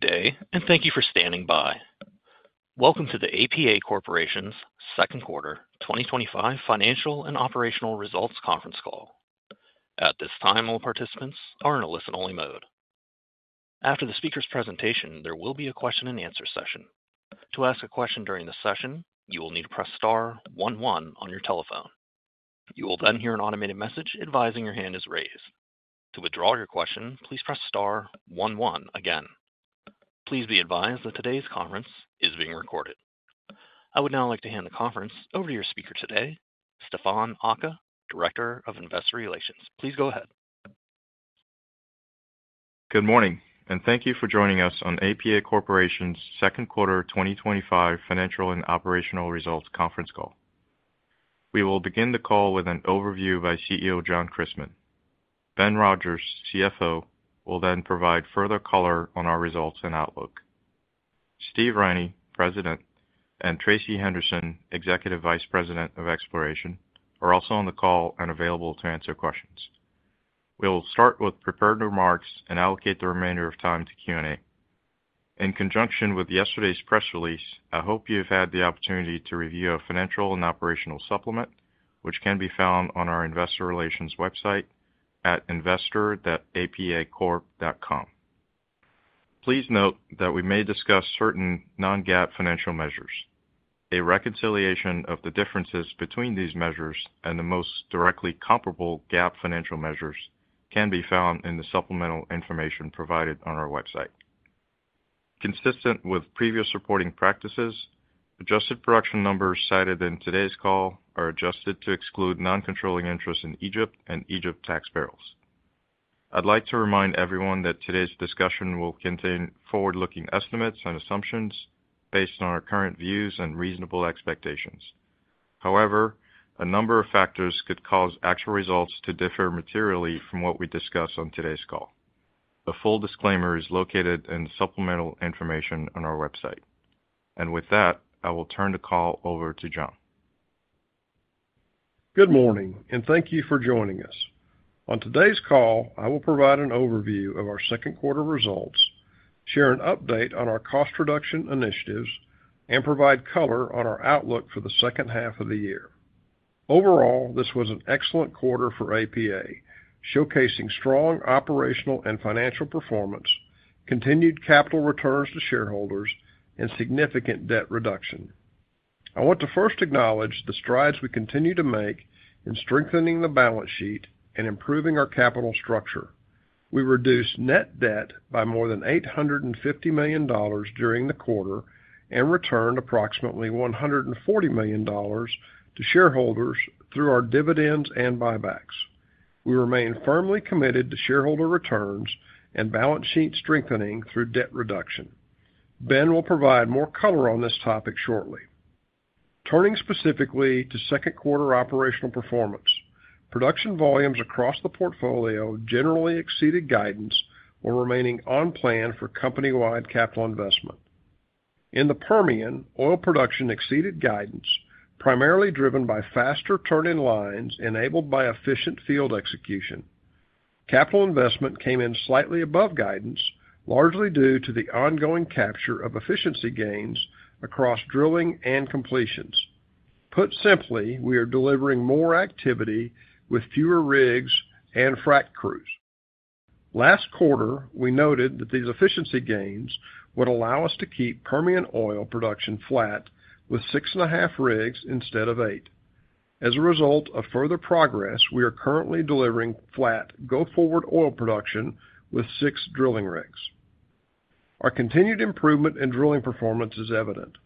Good day and thank you for standing by. Welcome to APA Corporation's Second Quarter 2025 Financial and Operational Results Conference Call. At this time, all participants are in a listen-only mode. After the speaker's presentation, there will be a question-and-answer session. To ask a question during the session, you will need to press star one one on your telephone. You will then hear an automated message advising your hand is raised. To withdraw your question, please press star one one again. Please be advised that today's conference is being recorded. I would now like to hand the conference over to your speaker today, Stéphane Aka, Director of Investor Relations. Please go ahead. Good morning and thank you for joining us on APA Corporation's second quarter 2025 financial and operational results conference call. We will begin the call with an overview by CEO John J. Christmann IV. Ben C. Rodgers, CFO, will then provide further color on our results and outlook. Stephen J. Riney, President, and Tracey K. Henderson, Executive Vice President of Exploration, are also on the call and available to answer questions. We will start with prepared remarks and allocate the remainder of time to Q&A. In conjunction with yesterday's press release, I hope you have had the opportunity to review a financial and operational supplement which can be found on our investor relations website at investor.apacorp.com. Please note that we may discuss certain non-GAAP financial measures. A reconciliation of the differences between these measures and the most directly comparable GAAP financial measures can be found in the supplemental information provided on our website. Consistent with previous reporting practices, adjusted production numbers cited in today's call are adjusted to exclude non-controlling interest in Egypt and Egypt tax barrels. I'd like to remind everyone that today's discussion will contain forward-looking estimates and assumptions based on our current views and reasonable expectations. However, a number of factors could cause actual results to differ materially from what we discuss on today's call. A full disclaimer is located in the supplemental information on our website and with that I will turn the call over to John. Good morning and thank you for joining us. On today's call I will provide an overview of our second quarter results, share an update on our cost reduction initiatives, and provide color on our outlook for the second half of the year. Overall, this was an excellent quarter for APA Corporation, showcasing strong operational and financial performance, continued capital returns to shareholders, and significant debt reduction. I want to first acknowledge the strides we continue to make in strengthening the balance sheet and improving our capital structure. We reduced net debt by more than $850 million during the quarter and returned approximately $140 million to shareholders through our dividends and buybacks. We remain firmly committed to shareholder returns and balance sheet strengthening through debt reduction. Ben will provide more color on this topic shortly. Turning specifically to second quarter operational performance, production volumes across the portfolio generally exceeded guidance while remaining on plan for company-wide capital investment. In the Permian Basin, oil production exceeded guidance primarily driven by faster turn in lines enabled by efficient field execution. Capital investment came in slightly above guidance largely due to the ongoing capture of efficiency gains across drilling and completions. Put simply, we are delivering more activity with fewer rigs and frac crews. Last quarter we noted that these efficiency gains would allow us to keep Permian oil production flat with six and a half rigs instead of eight. As a result of further progress, we are currently delivering flat go-forward oil production with six drilling rigs. Our continued improvement in drilling performance is evident.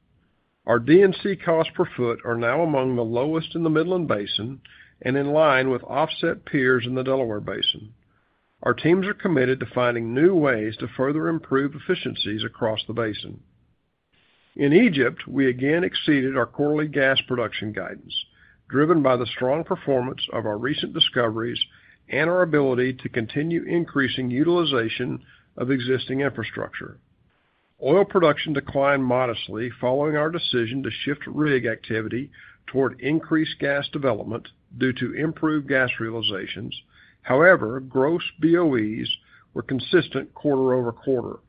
Our DNC costs per foot are now among the lowest in the Midland Basin and in line with offset peers in the Delaware Basin. Our teams are committed to finding new ways to further improve efficiencies across the basin. In Egypt, we again exceeded our quarterly gas production guidance driven by the strong performance of our recent discoveries and our ability to continue increasing utilization of existing infrastructure. Oil production declined modestly following our decision to shift rig activity toward increased gas development due to improved gas realizations. However, gross BOEs were consistent. Quarter-over-quarter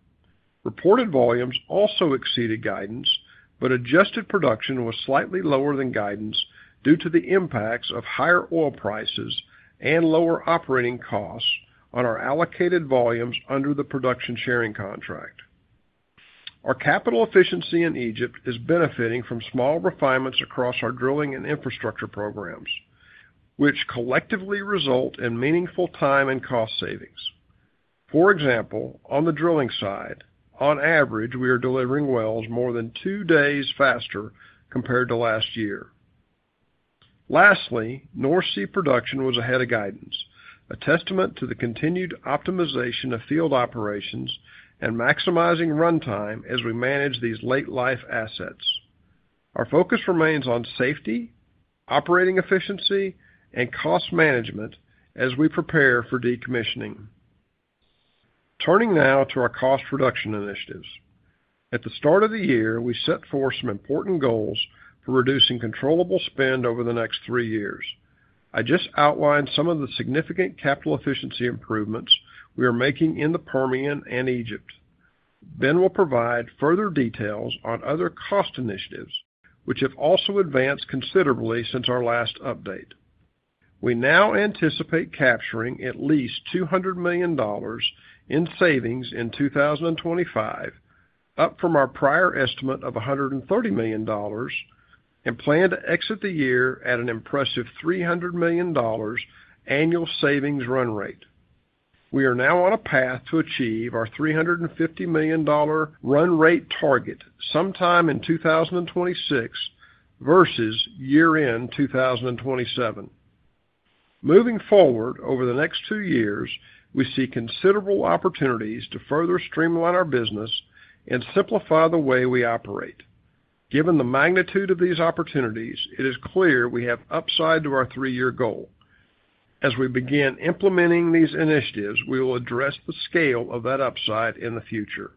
reported volumes also exceeded guidance, but adjusted production was slightly lower than guidance due to the impacts of higher oil prices and lower operating costs on our allocated volumes under the production sharing contract. Our capital efficiency in Egypt is benefiting from small refinements across our drilling and infrastructure programs, which collectively result in meaningful time and cost savings. For example, on the drilling side, on average we are delivering wells more than two days faster compared to last year. Lastly, North Sea production was ahead of guidance, a testament to the continued optimization of field operations and maximizing runtime as we manage these late life assets. Our focus remains on safety, operating efficiency, and cost management as we prepare for decommissioning. Turning now to our cost reduction initiatives, at the start of the year we set forth some important goals for reducing controllable spend over the next three years. I just outlined some of the significant capital efficiency improvements we are making in the Permian and Egypt. Ben will provide further details on other cost initiatives which have also advanced considerably since our last update. We now anticipate capturing at least $200 million in savings in 2025, up from our prior estimate of $130 million, and plan to exit the year at an impressive $300 million annual savings run rate. We are now on a path to achieve our $350 million run rate target sometime in 2026 versus year end 2027. Moving forward over the next two years, we see considerable opportunities to further streamline our business and simplify the way we operate. Given the magnitude of these opportunities, it is clear we have upside to our three year goal. As we begin implementing these initiatives, we will address the scale of that upside in the future.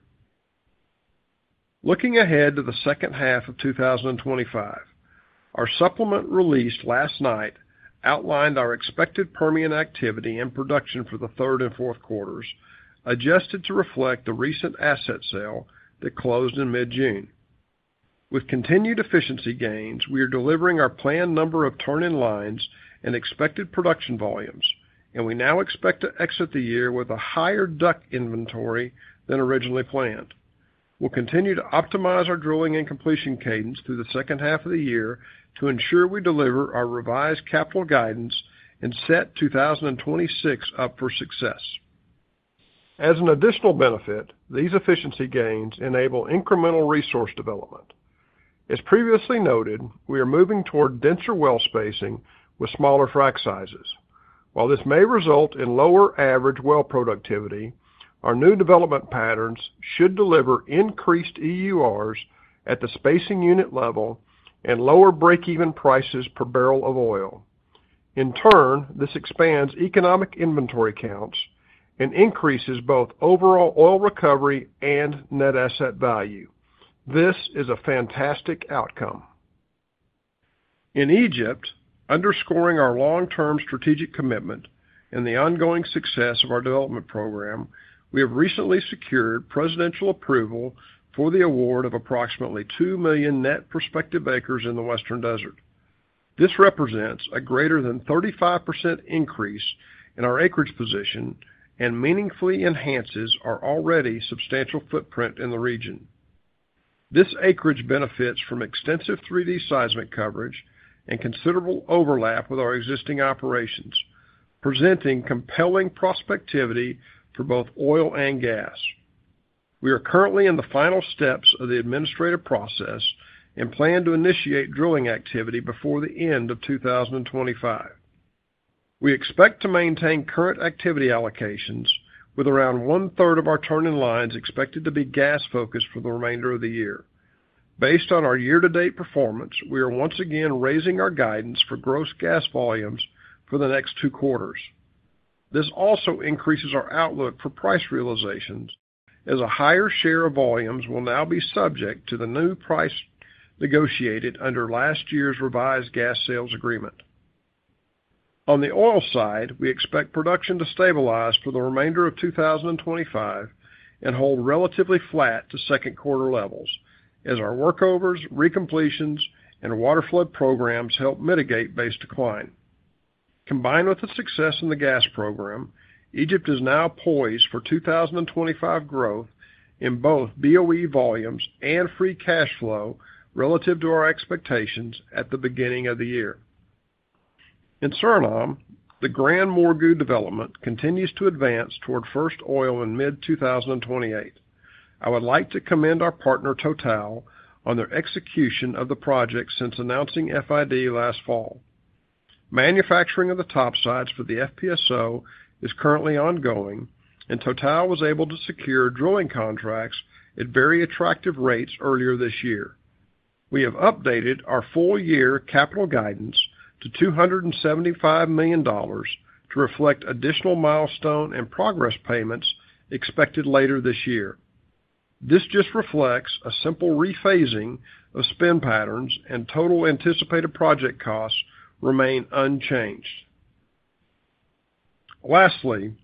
Looking ahead to the second half of 2025, our supplement released last night outlined our expected Permian activity and production for the third and fourth quarters, adjusted to reflect the recent asset sale that closed in mid June. With continued efficiency gains, we are delivering our planned number of turn in lines and expected production volumes, and we now expect to exit the year with a higher DUC inventory than originally planned. We'll continue to optimize our drilling and completion cadence through the second half of the year to ensure we deliver our revised capital guidance and set 2026 up for success. As an additional benefit, these efficiency gains. Enable incremental resource development. As previously noted, we are moving toward denser well spacing with smaller frac sizes. While this may result in lower average well productivity, our new development patterns should deliver increased EURs at the spacing unit level and lower break-even prices per barrel of oil. In turn, this expands economic inventory counts and increases both overall oil recovery and net asset value. This is a fantastic outcome in Egypt, underscoring our long-term strategic commitment and the ongoing success of our development program. We have recently secured presidential approval for the award of approximately 2 million net prospective acres in the Western Desert. This represents a greater than 35% increase in our acreage position and meaningfully enhances our already substantial footprint in the region. This acreage benefits from extensive 3D seismic coverage and considerable overlap with our existing operations, presenting compelling prospectivity for both oil and gas. We are currently in the final steps of the administrative process and plan to initiate drilling activity before the end of 2025. We expect to maintain current activity allocations with around one third of our turning lines expected to be gas focused for the remainder of the year. Based on our year-to-date performance, we are once again raising our guidance for gross gas volumes for the next two quarters. This also increases our outlook for price. Realizations as a higher share of volumes will now be subject to the new price negotiated under last year's revised gas sales agreement. On the oil side, we expect production to stabilize for the remainder of 2025 and hold relatively flat to second quarter levels as our workovers, recompletions, and water flood programs help mitigate base decline. Combined with the success in the gas program, Egypt is now poised for 2025 growth in both BOE volumes and free cash flow relative to our expectations at the beginning of the year. In Suriname, the GranMorgu development continues to advance toward first oil in mid-2028. I would like to commend our partner TotalEnergies on their execution of the project since announcing FID last fall. Manufacturing of the topsides for the FPSO is currently ongoing, and TotalEnergies was able to secure drilling contracts at very attractive rates earlier this year. We have updated our full year capital guidance to $275 million to reflect additional milestone and progress payments expected later this year. This just reflects a simple rephasing of spend patterns, and TotalEnergies' anticipated project costs remain unchanged. Lastly,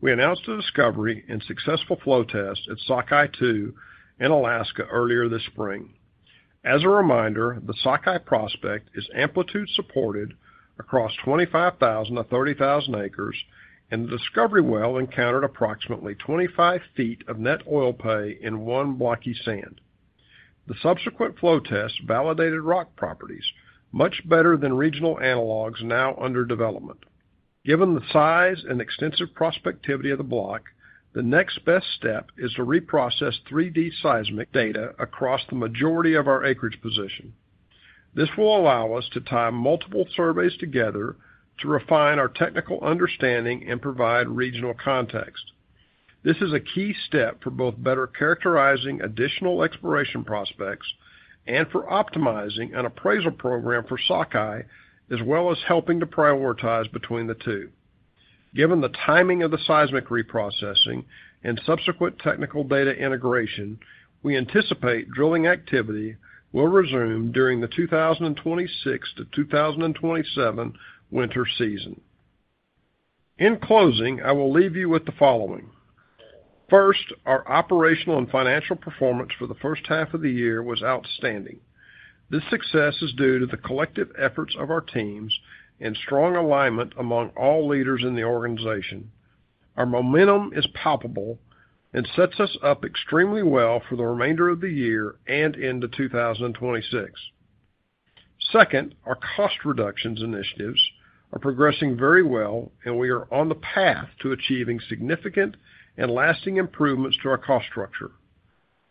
we announced a discovery and successful flow test at Sockeye-2 in Alaska earlier this spring. As a reminder, the Sockeye prospect is amplitude supported across 25,000 acres-30,000 acres, and the discovery well encountered approximately 25 ft of net oil pay in one blocky sand. The subsequent flow test validated rock properties much better than regional analogs now under development. Given the size and extensive prospectivity of the block, the next best step is to reprocess 3D seismic data across the majority of our acreage position. This will allow us to tie multiple surveys together to refine our technical understanding and provide regional context. This is a key step for both better characterizing additional exploration prospects and for optimizing an appraisal program for Sockeye, as well as helping to prioritize between the two. Given the timing of the seismic reprocessing and subsequent technical data integration, we anticipate drilling activity will resume during the 2026-2027 winter season. In closing, I will leave you with the following. First, our operational and financial performance for the first half of the year was outstanding. This success is due to the collective efforts of our teams and strong alignment among all leaders in the organization. Our momentum is palpable and sets us up extremely well for the remainder of the year and into 2026. Second, our cost reduction initiatives are progressing very well, and we are on the path to achieving significant and lasting improvements to our cost structure.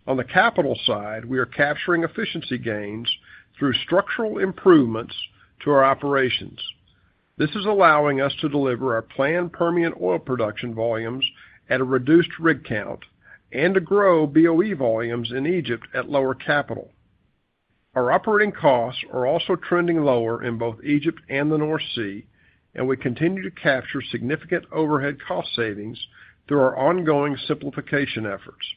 On the capital side, we are capturing efficiency gains through structural improvements to our operations. This is allowing us to deliver our. Planned Permian oil production volumes at a reduced rig count and to grow BOE volumes in Egypt at lower capital. Our operating costs are also trending lower in both Egypt and the North Sea, and we continue to capture significant overhead cost savings through our ongoing simplification efforts.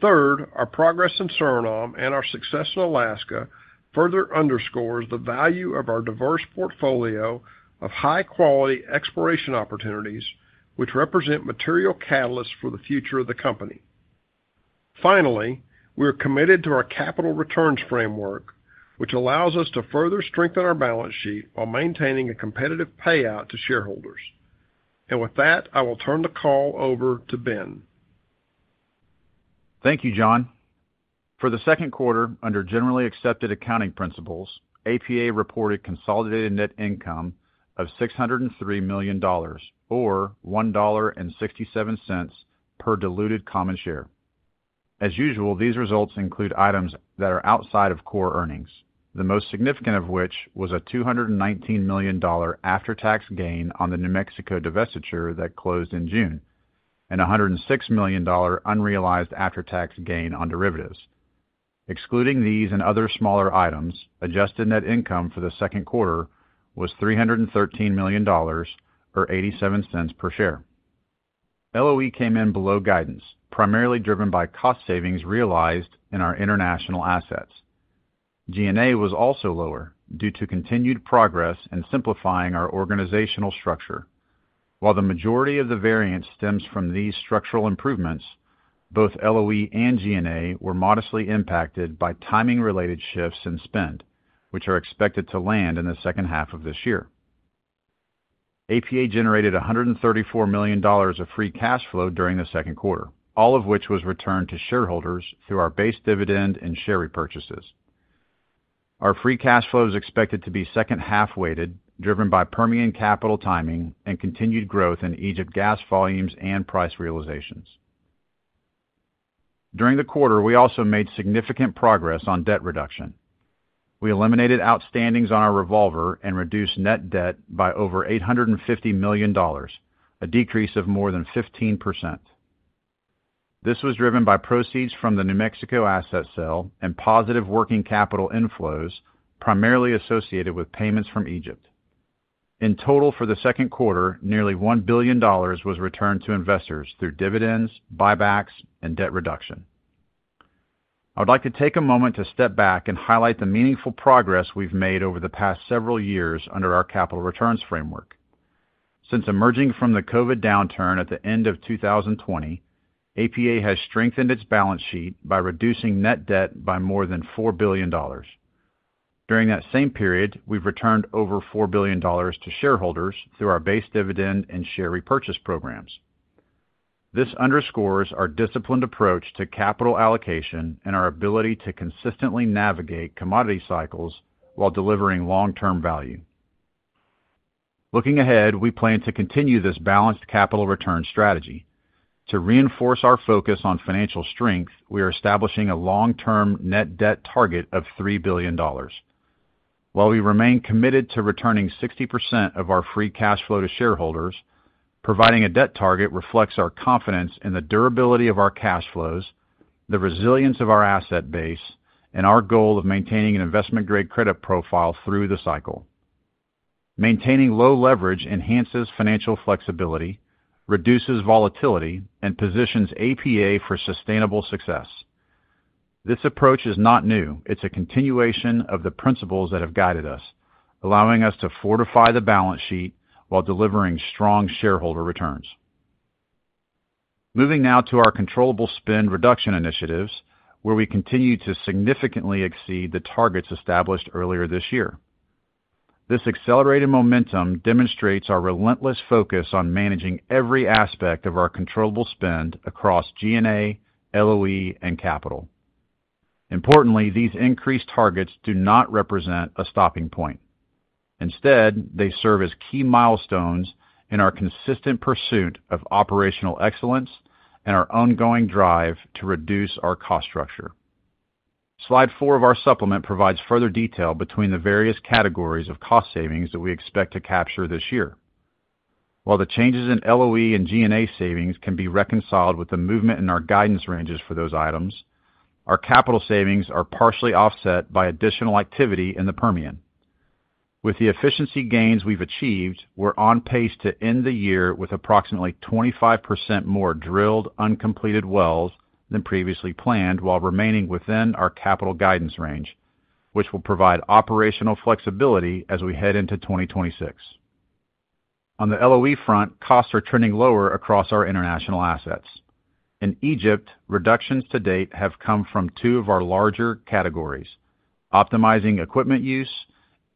Third, our progress in Suriname and our. Success in Alaska further underscores the value of our diverse portfolio of high quality exploration opportunities, which represent material catalysts for the future of the company. Finally, we are committed to our capital returns framework, which allows us to further strengthen our balance sheet while maintaining a competitive payout to shareholders. With that, I will turn the call over to Ben. Thank you, John. For the second quarter, under generally accepted accounting principles, APA reported consolidated net income of $603 million, or $1.67 per diluted common share. As usual, these results include items that are outside of core earnings, the most significant of which was a $219 million after-tax gain on the New Mexico divestiture that closed in June and a $106 million unrealized after-tax gain on derivatives. Excluding these and other smaller items, adjusted net income for the second quarter was $313 million, or $0.87 per share. LOE came in below guidance, primarily driven by cost savings realized in our international assets. G&A was also lower due to continued progress in simplifying our organizational structure. While the majority of the variance stems from these structural improvements, both LOE and G&A were modestly impacted by timing-related shifts in spending, which are expected to land in the second half of this year. APA generated $134 million of free cash flow during the second quarter, all of which was returned to shareholders through our base dividend and share repurchases. Our free cash flow is expected to be second-half weighted, driven by Permian capital timing and continued growth in Egypt, gas volumes, and price realizations. During the quarter, we also made significant progress on debt reduction. We eliminated outstandings on our revolver and reduced net debt by over $850 million, a decrease of more than 15%. This was driven by proceeds from the New Mexico asset sale and positive working capital inflows primarily associated with payments from Egypt. In total for the second quarter, nearly $1 billion was returned to investors through dividends, buybacks, and debt reduction. I would like to take a moment to step back and highlight the meaningful progress we've made over the past several years under our capital returns framework. Since emerging from the COVID downturn at the end of 2020, APA has strengthened its balance sheet by reducing net debt by more than $4 billion. During that same period, we've returned over $4 billion to shareholders through our base dividend and share repurchase programs. This underscores our disciplined approach to capital allocation and our ability to consistently navigate commodity cycles while delivering long-term value. Looking ahead, we plan to continue this balanced capital return strategy to reinforce our focus on financial strength. We are establishing a long-term net debt target of $3 billion while we remain committed to returning 60% of our free cash flow to shareholders. Providing a debt target reflects our confidence in the durability of our cash flows, the resilience of our asset base, and our goal of maintaining an investment grade credit profile through the cycle. Maintaining low leverage enhances financial flexibility, reduces volatility, and positions APA for sustainable success. This approach is not new. It's a continuation of the principles that have guided us, allowing us to fortify the balance sheet while delivering strong shareholder returns. Moving now to our controllable spend reduction initiatives, where we continue to significantly exceed the targets established earlier this year, this accelerated momentum demonstrates our relentless focus on managing every aspect of our controllable spend across G&A, LOE, and capital. Importantly, these increased targets do not represent a stopping point. Instead, they serve as key milestones in our consistent pursuit of operational excellence and our ongoing drive to reduce our cost structure. Slide 4 of our supplement provides further detail between the various categories of cost savings that we expect to capture this year. While the changes in LOE and G&A savings can be reconciled with the movement in our guidance ranges for those items, our capital savings are partially offset by additional activity in the Permian. With the efficiency gains we've achieved, we're on pace to end the year with approximately 25% more drilled uncompleted wells than previously planned while remaining within our capital guidance range, which will provide operational flexibility as we head into 2026. On the LOE front, costs are trending lower across our international assets. In Egypt, reductions to date have come from two of our larger categories: optimizing equipment use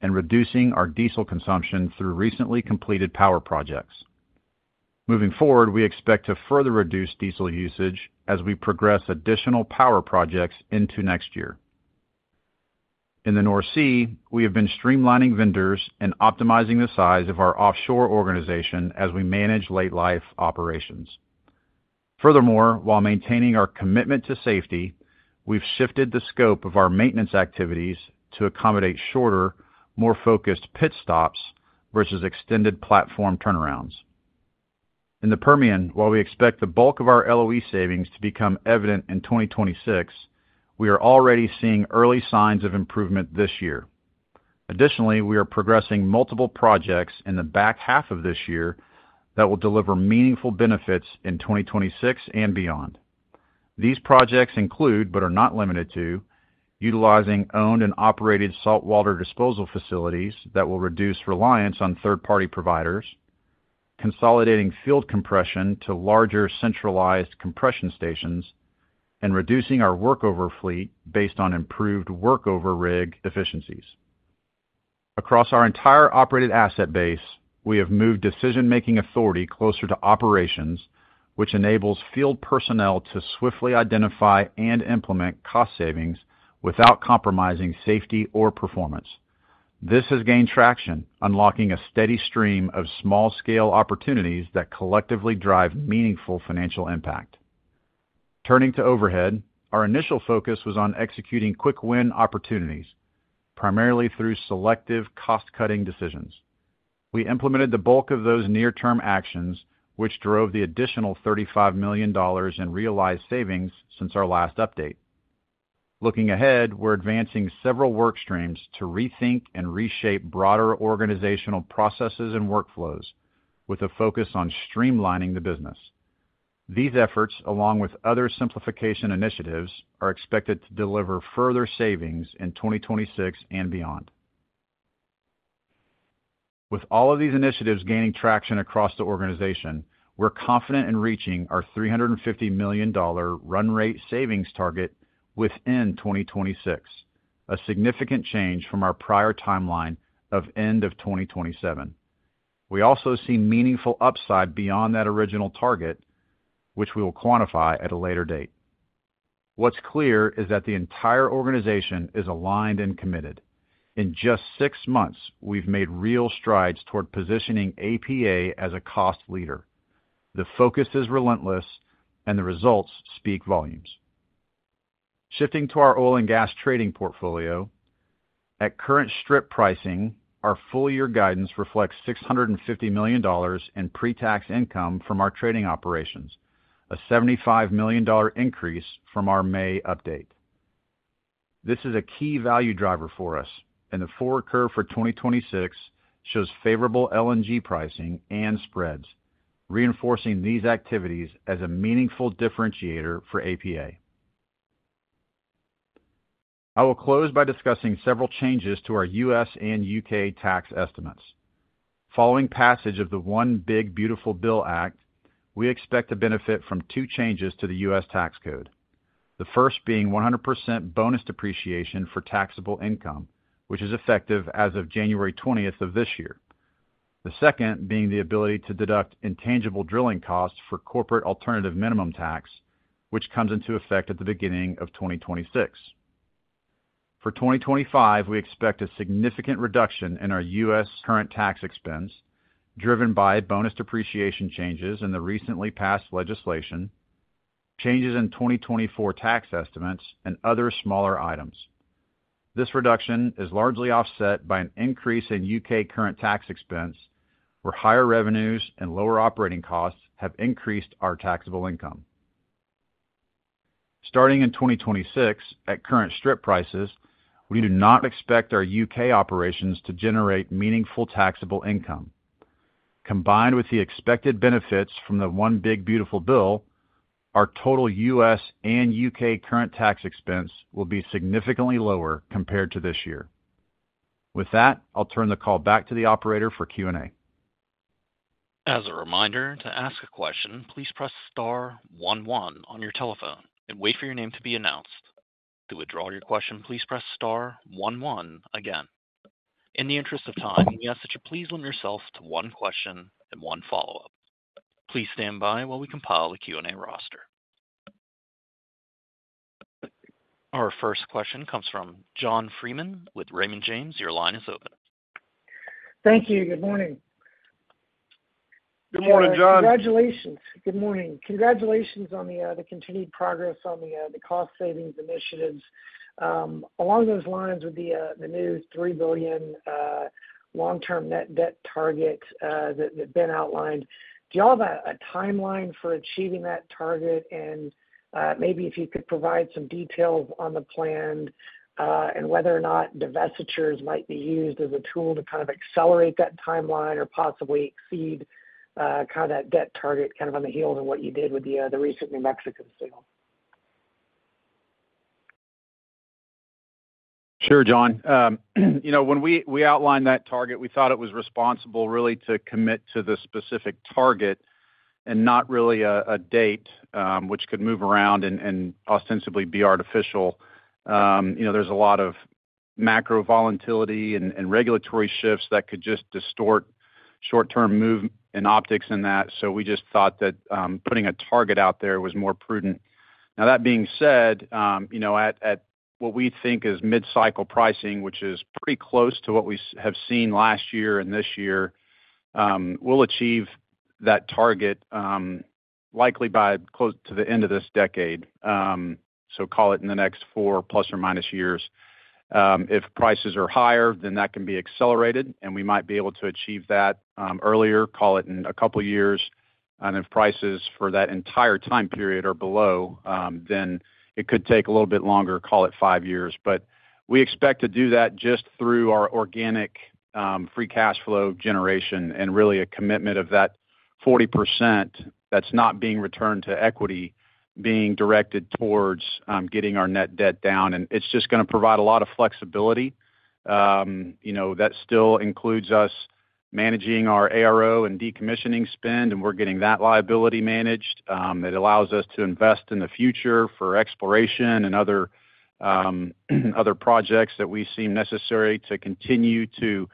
and reducing our diesel consumption through recently completed power projects. Moving forward, we expect to further reduce diesel usage as we progress additional power projects into next year. In the North Sea, we have been streamlining vendors and optimizing the size of our offshore organization as we manage late-life operations. Furthermore, while maintaining our commitment to safety, we've shifted the scope of our maintenance activities to accommodate shorter, more focused pit stops versus extended platform turnarounds. In the Permian, while we expect the bulk of our LOE savings to become evident in 2026, we are already seeing early signs of improvement this year. Additionally, we are progressing multiple projects in the back half of this year that will deliver meaningful benefits in 2026 and beyond. These projects include, but are not limited to, utilizing owned and operated saltwater disposal facilities. That will reduce reliance on third-party providers, consolidating field compression to larger centralized compression stations, and reducing our workover fleet. Based on improved workover rig efficiencies across our entire operated asset base, we have moved decision-making authority closer to operations, which enables field personnel to swiftly identify and implement cost savings without compromising safety or performance. This has gained traction, unlocking a steady stream of small-scale opportunities that collectively drive meaningful financial impact. Turning to Overhead, our initial focus was on executing quick win opportunities primarily through selective cost-cutting decisions. We implemented the bulk of those near-term actions, which drove the additional $35 million in realized savings since our last update. Looking ahead, we're advancing several work streams to rethink and reshape broader organizational processes and workflows with a focus on streamlining the business. These efforts, along with other simplification initiatives, are expected to deliver further savings in 2026 and beyond. With all of these initiatives gaining traction across the organization, we're confident in reaching our $350 million run-rate savings target within 2026, a significant change from our prior timeline of end of 2027. We also see meaningful upside beyond that original target, which we will quantify at a later date. What's clear is that the entire organization is aligned and committed. In just six months, we've made real strides toward positioning APA as a cost leader. The focus is relentless and the results speak volumes. Shifting to our oil and gas trading portfolio, at current strip pricing, our full-year guidance reflects $650 million in pre-tax income from our trading operations, a $75 million increase from our May update. This is a key value driver for us, and the forward curve for 2026 shows favorable LNG pricing and spreads, reinforcing these activities as a meaningful differentiator for APA. I will close by discussing several changes to our U.S. and U.K. tax estimates following passage of the One Big Beautiful Bill Act. We expect to benefit from two changes to the U.S. tax code, the first being 100% bonus depreciation for taxable income which is effective as of January 20th of this year. The second being the ability to deduct intangible drilling costs for corporate alternative minimum tax which comes into effect at the beginning of 2026. For 2025, we expect a significant reduction in our U.S. current tax expense driven by bonus depreciation, changes in the recently passed legislation, changes in 2024 tax estimates, and other smaller items. This reduction is largely offset by an increase in U.K. current tax expense where higher revenues and lower operating costs have increased our taxable income. Starting in 2026 at current strip prices, we do not expect our U.K. operations to generate meaningful taxable income. Combined with the expected benefits from the One Big Beautiful Bill, our total U.S. and U.K. current tax expense will be significantly lower compared to this year. With that, I'll turn the call back to the operator for Q&A. As a reminder to ask a question, please press star one one on your telephone and wait for your name to be announced. To withdraw your question, please press star one one again. In the interest of time, we ask that you please limit yourself to one question and one follow up. Please stand by while we compile the Q&A roster. Our first question comes from John Christopher Freeman with Raymond James & Associates. Your line is open. Thank you. Good morning. Good morning, John. Congratulations. Good morning. Congratulations on the continued progress on the cost savings initiatives. Along those lines, with the new $3 billion long-term net debt target that Ben outlined, do you have a timeline for achieving that target, and maybe if you could provide some details on the plan and whether or not divestitures might be used as a tool to kind of accelerate that timeline or possibly exceed kind of that debt target, kind of on the heels of what you did with the recent New Mexico story? Sure, John. When we outlined that target, we thought it was responsible to commit to the specific target and not really a date which could move around and ostensibly be artificial. There's a lot of macro volatility and regulatory shifts that could distort short-term moves and optics in that. We thought that putting a target out there was more prudent. That being said, at what we think is mid-cycle pricing, which is pretty close to what we have seen last year and this year, we'll achieve that target likely by the end of this decade. Call it in the next four, plus or minus, years. If prices are higher, then that can be accelerated and we might be able to achieve that earlier, call it in a couple years. If prices for that entire time period are below, then it could take a little bit longer, call it five years. We expect to do that just through our organic free cash flow generation and a commitment of that 40% that's not being returned to equity being directed towards getting our net debt down. It's going to provide a lot of flexibility. That still includes us managing our ARO and decommissioning spend, and we're getting that liability managed. It allows us to invest in the future for exploration and other projects that we see necessary to continue to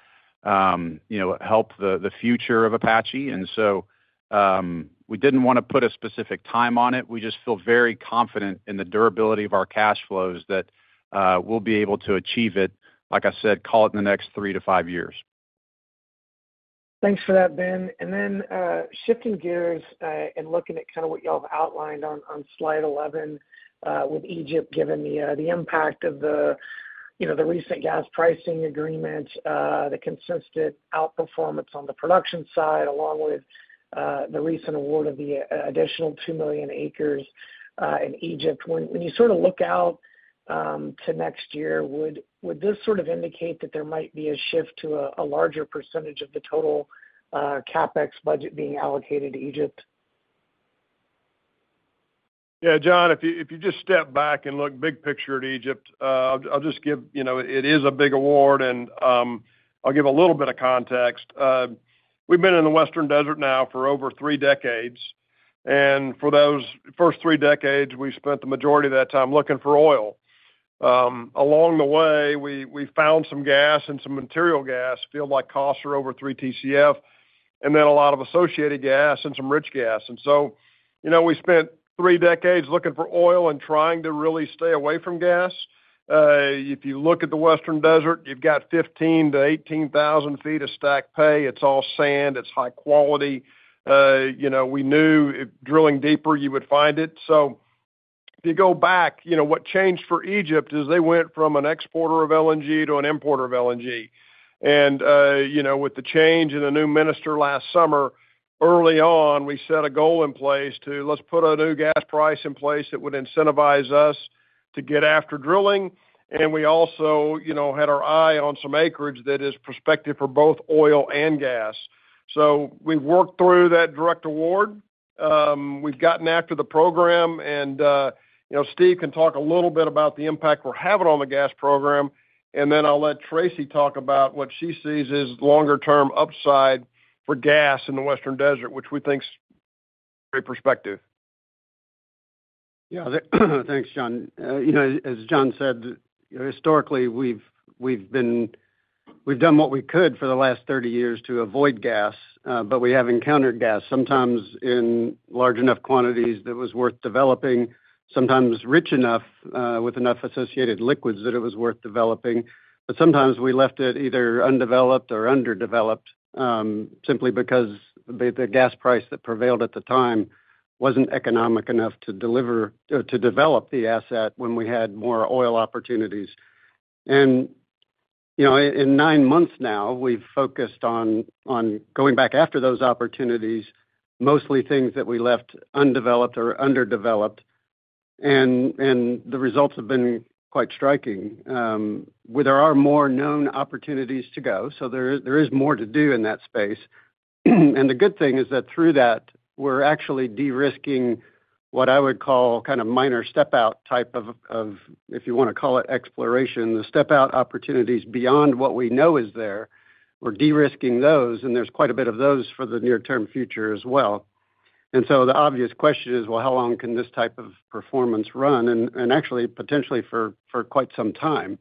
help the future of APA Corporation. We didn't want to put a specific time on it. We just feel very confident in the durability of our cash flows that we'll be able to achieve it. Like I said, call it in the next three to five years. Thanks for that, Ben. Shifting gears and looking at what you all outlined on slide 11 with Egypt, given the impact of the recent gas pricing agreement, the consistent outperformance on the production side, along with the recent award of the additional 2 million acres in Egypt, when you sort of look out to next year, would this indicate that there might be a shift to a larger percentage of the total CapEx budget being allocated to Egypt? Yeah, John, if you just step back and look big picture at Egypt, I'll just give, you know, it is a big award and I'll give a little bit of context. We've been in the Western Desert now for over three decades and for those first three decades we spent the majority of that time looking for oil. Along the way we found some gas and some material gas field like Coster over 3 TCF and then a lot of associated gas and some rich gas. You know, we spent three decades looking for oil and trying to really stay away from gas. If you look at the Western Desert, you've got 15,000 ft-8,000 ft of stack pay. It's all sand, it's high quality. We knew drilling deeper you would find it. If you go back, what changed for Egypt is they went from an exporter of LNG to an importer of LNG. With the change in the new minister last summer, early on we set a goal in place to let's put a new gas price in place that would incentivize us to get after drilling. We also had our eye on some acreage that is prospective for both oil and gas. We worked through that direct award, we've gotten after the program and Steve can talk a little bit about the impact we're having on the gas program and then I'll let Tracey talk about what she sees as longer term upside for gas in the Western Desert, which we think's great perspective. Yeah, thanks John. As John said, historically we've done what we could for the last 30 years to avoid gas, but we have encountered gas sometimes in large enough quantities that it was worth developing, sometimes rich enough with enough associated liquids that it was worth developing. Sometimes we left it either undeveloped or underdeveloped simply because the gas price that prevailed at the time wasn't economic enough to develop the asset when we had more oil opportunities. In nine months now we've focused on going back after those opportunities, mostly things that we left undeveloped or underdeveloped. The results have been quite striking where there are more known opportunities to go. There is more to do in that space. The good thing is that through that we're actually de-risking what I would call kind of minor step out type of, if you want to call it exploration, the step out opportunities beyond what we know is there, we're de-risking those and there's quite a bit of those for the near term future as well. The obvious question is, how long can this type of performance run? Actually, potentially for quite some time.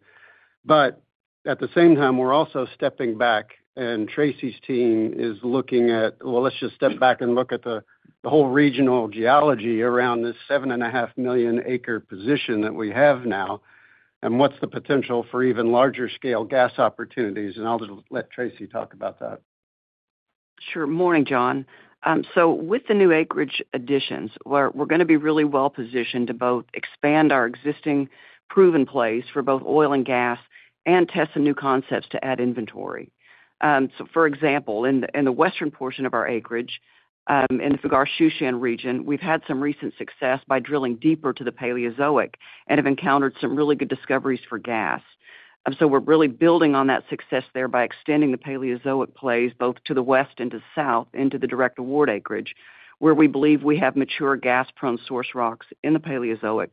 At the same time we're also stepping back and Tracey K. Henderson's team is looking at, let's just step back and look at the whole regional geology around this 7.5 million acre position that we have now and what's the potential for even larger scale gas opportunities. I'll let Tracey talk about that. Sure. Morning, John. With the new acreage additions, we're going to be really well positioned to both expand our existing proven plays for both oil and gas and test some new concepts to add inventory. For example, in the western portion of our acreage in the [Figuur] Shushan region, we've had some recent success by drilling deeper to the Paleozoic and have encountered some really good discoveries for gas. We're really building on that success there by extending the Paleozoic plays both to the west and to the south into the direct award acreage where we believe we have mature gas-prone source rocks in the Paleozoic.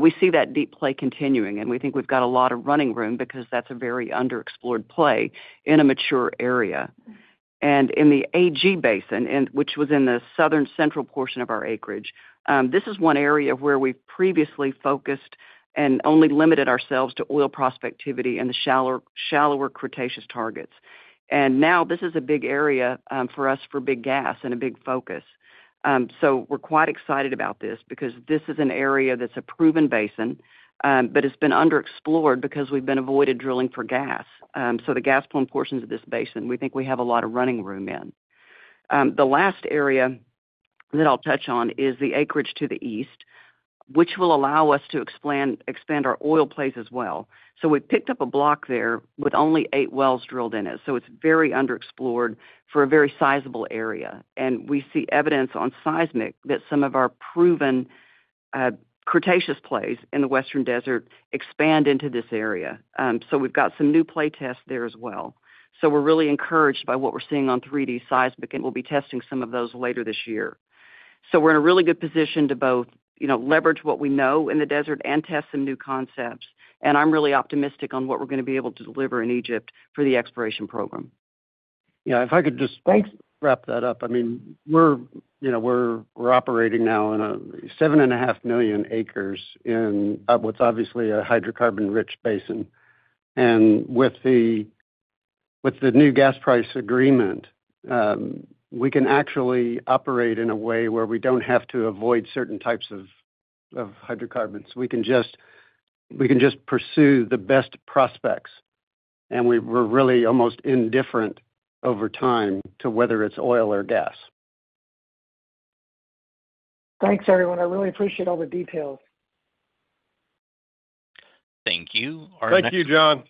We see that deep play continuing and we think we've got a lot of running room because that's a very underexplored play in a mature area. In the Ag Basin, which is in the southern central portion of our acreage, this is one area where we previously focused and only limited ourselves to oil prospectivity and the shallower Cretaceous targets. Now this is a big area for us for big gas and a big focus. We're quite excited about this because this is an area that's a proven basin, but it's been underexplored because we've avoided drilling for gas. The gas-prone portions of this basin, we think we have a lot of running room in. The last area that I'll touch on is the acreage to the east, which will allow us to expand our oil plays as well. We picked up a block there with only eight wells drilled in it, so it's very underexplored for a very sizable area. We see evidence on seismic that some of our proven Cretaceous plays in the Western Desert expand into this area. We've got some new play tests there as well. We're really encouraged by what we're seeing on 3D seismic and we'll be testing some of those later this year. We're in a really good position to both leverage what we know in the desert and test some new concepts. I'm really optimistic on what we're going to be able to deliver in Egypt for the exploration program. If I could just wrap that up. We're operating now in 7.5 million acres in what's obviously a hydrocarbon-rich basin. With the new gas sales agreement, we can actually operate in a way where we don't have to avoid certain types of hydrocarbons. We can just pursue the best prospects. We're really almost indifferent over time to whether it's oil or gas. Thanks, everyone. I really appreciate all the details. Thank you. Thank you, John.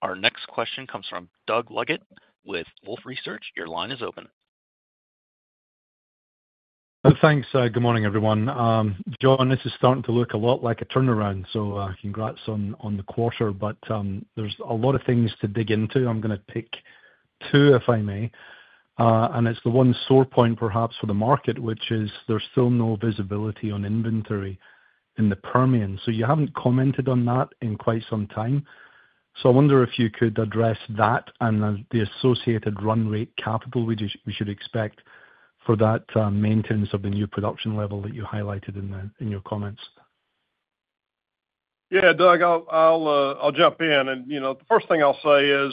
Our next question comes from Doug Leggate with Wolfe Research. Your line is open. Thanks. Good morning, everyone. John, this is starting to look a lot like a turnaround. Congrats on the quarter, but there's a lot of— Things to dig into. I'm going to pick two, if I may. It's the one sore point perhaps for the market, which is there's still no visibility on inventory in the Permian. You haven't commented on that in quite some time. I wonder if you could address that and the associated run rate capital. We should expect for that maintenance. The new production level that you highlighted in your comments. Yeah, Doug, I'll jump in. You know, the first thing I'll say is,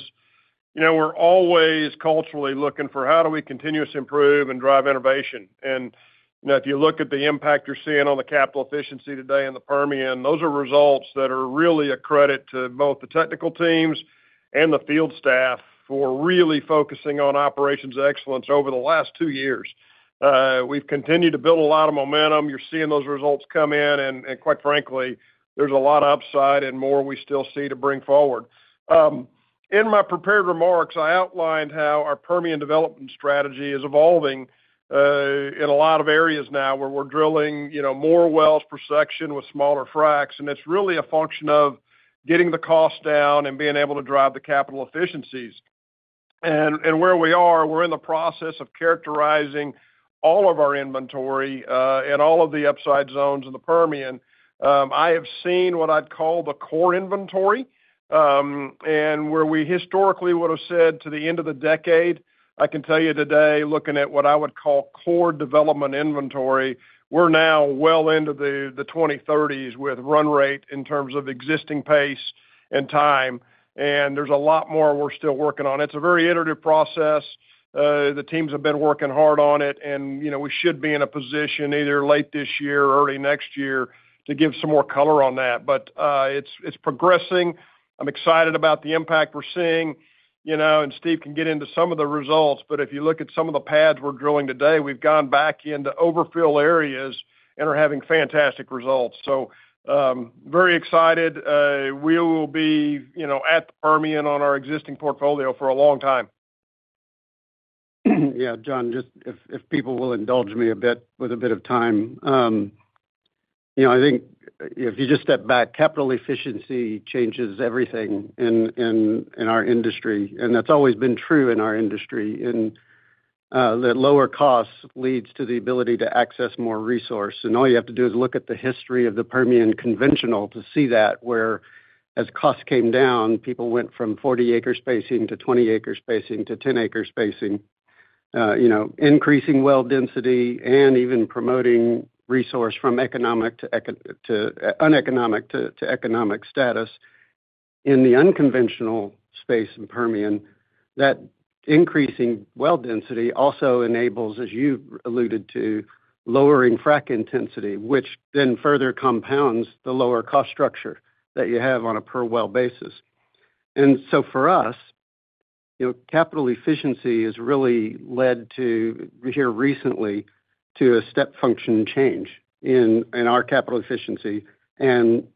you know, we're always culturally looking for how do we continuously improve and drive innovation. If you look at the impact you're seeing on the capital efficiency today in the Permian, those are results that are really a credit to both the technical teams and the field staff who are really focusing on operations excellence. Over the last two years, we've continued to build a lot of momentum. You're seeing those results come in and, quite frankly, there's a lot of upside. We still see more to bring forward. In my prepared remarks, I outlined how our Permian development strategy is evolving. In a lot of areas now where we're drilling, you know, more wells per section with smaller fracs, it's really a function of getting the cost down and being able to drive the capital efficiencies. Where we are, we're in the process of characterizing all of our inventory and all of the upside zones. In the Permian, I have seen what I'd call the core inventory and where we historically would have said to the end of the decade, I can tell you today, looking at what I would call core development inventory, we're now well into the 2030s with run rate in terms of existing pace and time. There's a lot more we're still working on. It's a very iterative process. The teams have been working hard on it and you know, we should be in a position either late this year or early next year to give some more color on that, but it's progressing. I'm excited about the impact we're seeing, you know, and Steve can get into some of the results, but if you look at some of the pads we're drilling today, we've gone back into overfill areas and are having fantastic results. Very excited. We will be, you know, at the Permian on our existing portfolio for a long time. Yeah, John, if people will indulge me a bit with a bit of time, I think if you just step back, capital efficiency changes everything in our industry. That's always been true in our industry, and that lower cost leads to the ability to access more resource. All you have to do is look at the history of the Permian conventional to see that, where as costs came down, people went from 40 acre spacing to 20 acre spacing to 10 acre spacing, increasing well density and even promoting resource from economic to uneconomic to economic status in the unconventional space in Permian. That increasing well density also enables, as you alluded to, lowering frac intensity, which then further compounds the lower cost structure that you have on a per well basis. For us, capital efficiency has really led here recently to a step function change in our capital efficiency and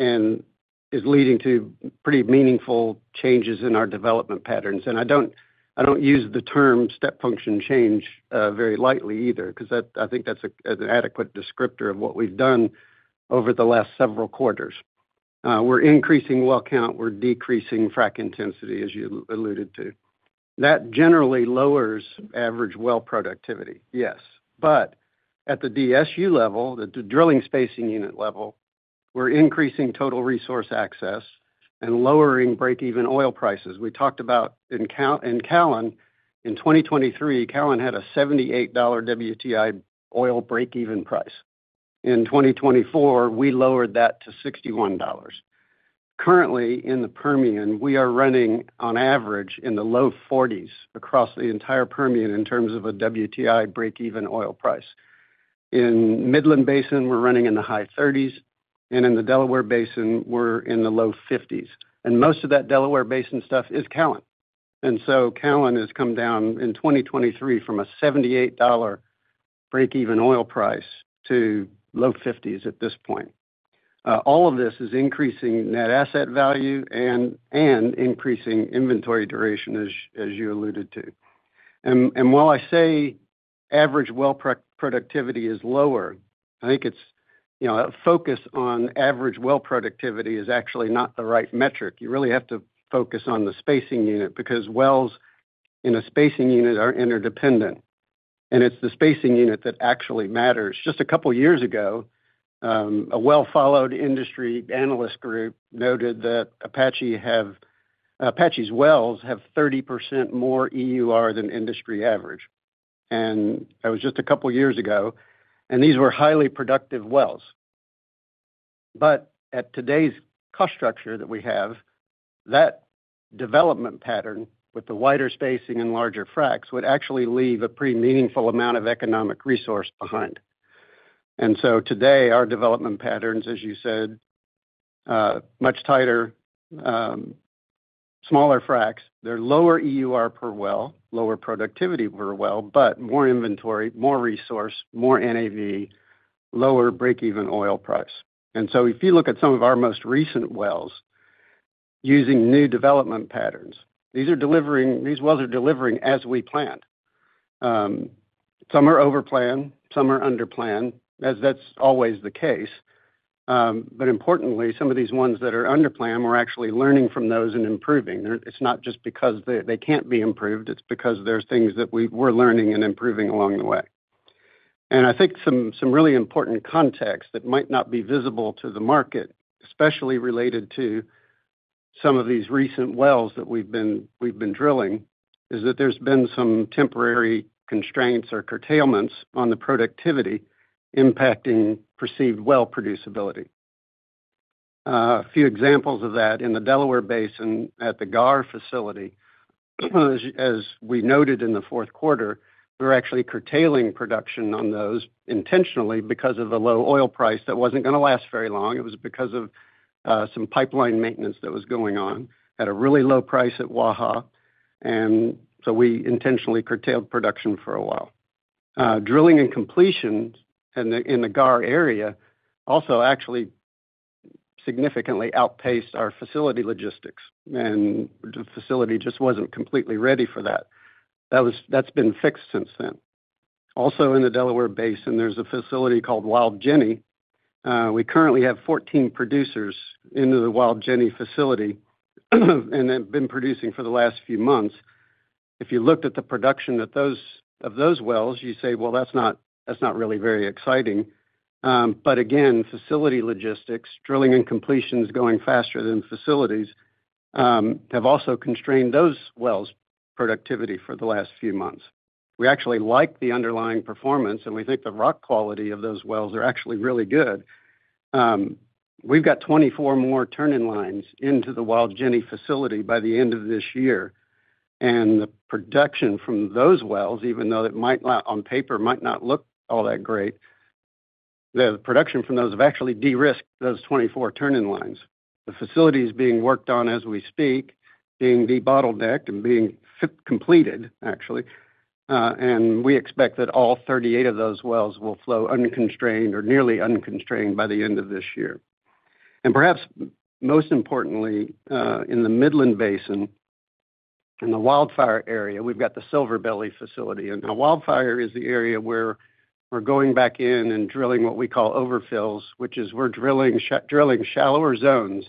is leading to pretty meaningful changes in our development patterns. I don't use the term step function change very lightly either because I think that's an adequate descriptor of what we've done over the last several quarters. We're increasing well count, we're decreasing frac intensity as you alluded to. That generally lowers average well productivity, yes, but at the DSU level, the drilling spacing unit level, we're increasing total resource access and lowering breakeven oil prices. We talked about in Callan in 2023, Cowan had a $78 WTI oil breakeven price. In 2024 we lowered that to $61. Currently in the Permian we are running on average in the low $40s across the entire Permian in terms of a WTI breakeven oil price. In Midland Basin we're running in the high $30s and in the Delaware Basin we're in the low $50s. Most of that Delaware Basin stuff is Callan, and so Callan has come down in 2023 from a $78 breakeven oil price to low $50s. At this point all of this is increasing net asset value and increasing inventory duration as you alluded to. While I say average well productivity is lower, I think focus on average well productivity is actually not the right metric. You really have to focus on the spacing unit because wells in a spacing unit are interdependent and it's the spacing unit that actually matters. Just a couple years ago a well-followed industry analyst group noted that APA's wells have 30% more EUR than industry average, and that was just a couple years ago. These were highly productive wells. At today's cost structure that we have, that development pattern with the wider spacing and larger fracs would actually leave a pretty meaningful amount of economic resource behind. Today our development patterns, as you said, are much tighter, smaller fracs, they're lower EUR per well, lower productivity per well, but more inventory, more resource, more NAV, lower break-even oil price. If you look at some of our most recent wells using new development patterns, these are delivering. These wells are delivering as we planned. Some are over plan, some are under plan, as that's always the case. Importantly, some of these ones that are under plan, we're actually learning from those and improving. It's not just because they can't be improved, it's because there are things that we are learning and improving along the way. I think some really important context that might not be visible to the market, especially related to some of these recent wells that we've been drilling, is that there's been some temporary constraints or curtailments on the productivity impacting perceived well producibility. A few examples of that: in the Delaware Basin at the GAR facility, as we noted in the fourth quarter, we're actually curtailing production on those intentionally because of the low oil price. That wasn't going to last very long. It was because of some pipeline maintenance that was going on at a really low price at [Waha]. We intentionally curtailed production for a while. Drilling and completion in the GAR area also actually significantly outpaced our facility logistics, and the facility just wasn't completely ready for that. That's been fixed since then. Also, in the Delaware Basin, there's a facility called Wild Jenny. We currently have 14 producers into the Wild Jenny facility, and they've been producing for the last few months. If you looked at the production of those wells, you say that's not really very exciting. Again, facility logistics, drilling and completions going faster than facilities have also constrained those wells' productivity for the last few months. We actually like the underlying performance, and we think the rock quality of those wells is actually really good. We've got 24 more turn-in-lines into the Wild Jenny facility by the end of this year. The production from those wells, even though it might not on paper look all that great, the production from those have actually de-risked those 24 turn-in-lines. The facilities are being worked on as we speak, being debottlenecked and being completed actually. We expect that all 38 of those wells will flow unconstrained or nearly unconstrained by the end of this year. Perhaps most importantly, in the Midland Basin in the Wildfire area, we've got the Silver Belly facility. Wildfire is the area where we're going back in and drilling what we call overfills, which is we're drilling shallower zones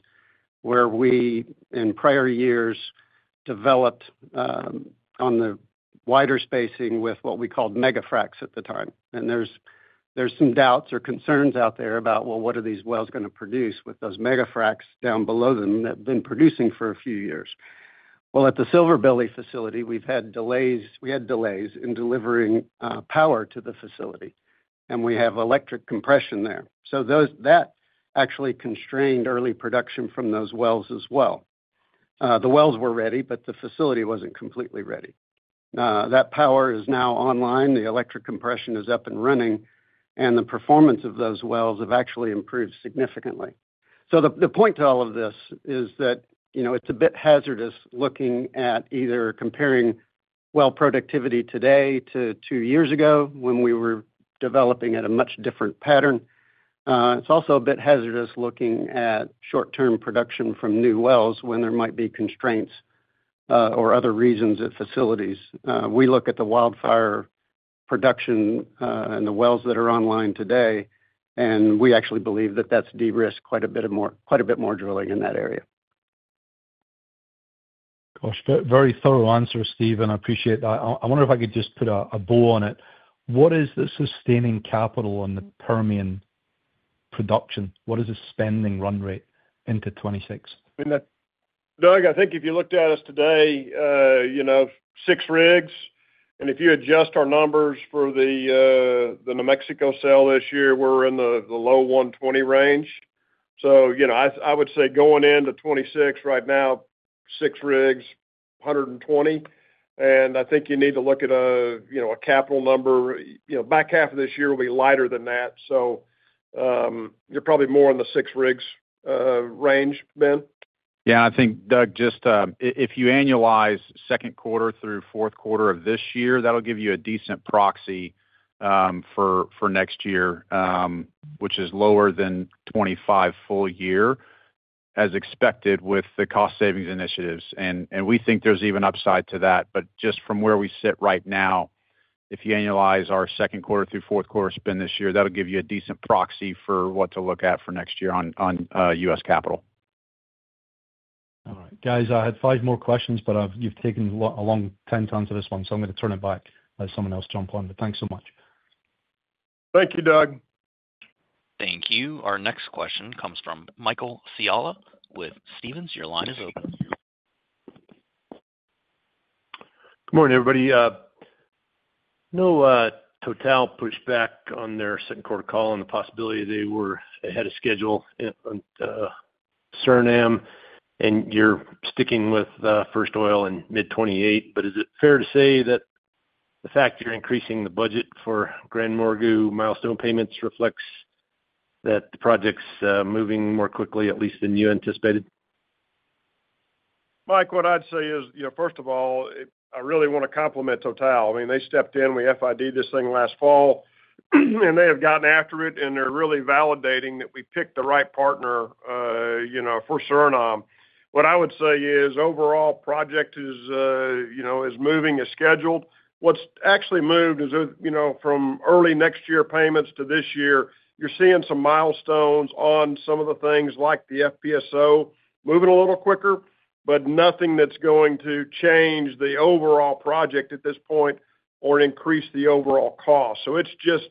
where we in prior years developed on the wider spacing with what we called megafracks at the time. There are some doubts or concerns out there about what these wells are going to produce with those megafracks down below them that have been producing for a few years. At the Silver Belly facility, we've had delays in delivering power to the facility and we have electric compression there. That actually constrained early production from those wells as well. The wells were ready, but the facility wasn't completely ready. That power is now online, the electric compression is up and running, and the performance of those wells has actually improved significantly. The point to all of this is that it's a bit hazardous looking at either comparing well productivity today to two years ago when we were developing at a much different pattern. It's also a bit hazardous looking at short-term production from new wells when there might be constraints or other reasons at facilities. We look at the Wildfire production and the wells that are online today, and we actually believe that that's de-risked quite a bit more drilling in that area. Very thorough answer, Steve, and I appreciate that. I wonder if I could just put a bow on it. What is the sustaining capital on the Permian production? What is the spending run rate into 2026? I think if you looked at us today, six rigs, and if you adjust our numbers for the New Mexico sale this year, we're in the low 120 range. I would say going into 2026 right now, six rigs, 120. I think you need to look at a capital number. Back half of this year will be lighter than that. You're probably more in the six rigs range. Ben? I think, Doug, just if you annualize second quarter through fourth quarter of this year, that'll give you a decent proxy for next year, which is lower than 2025 full year as expected with the cost savings initiatives. We think there's even upside to that. Just from where we sit right now, if you annualize our second quarter through fourth quarter spend this year, that'll give you a decent proxy for what to look at for next year on U.S. capital. All right, guys, I had five more. Questions, but you've taken a long time to answer this one. I'm going to turn it back as someone else jump on. Thanks so much. Thank you, Doug. Thank you. Our next question comes from Michael Scialla with Stephens Inc. Your line is up. Good morning, everybody. No TotalEnergies pushback on their second quarter. Call and the possibility they were ahead of schedule. Suriname and you're sticking with first oil in mid 2028. Is it fair to say that? The fact you're increasing the budget for GranMorgu milestone payments reflects that the project's moving more quickly, at least than you anticipated? Mike, what I'd say is, first of all, I really want to compliment TotalEnergies. I mean, they stepped in. We FID'd this thing last fall and they have gotten after it and they're really validating that we picked the right partner for Suriname. What I would say is overall project is moving as scheduled. What's actually moved is from early next year payments to this year, you're seeing some milestones on some of the things like the FPSO moving a little quicker, but nothing that's going to change the overall project at this point or increase the overall cost. It's just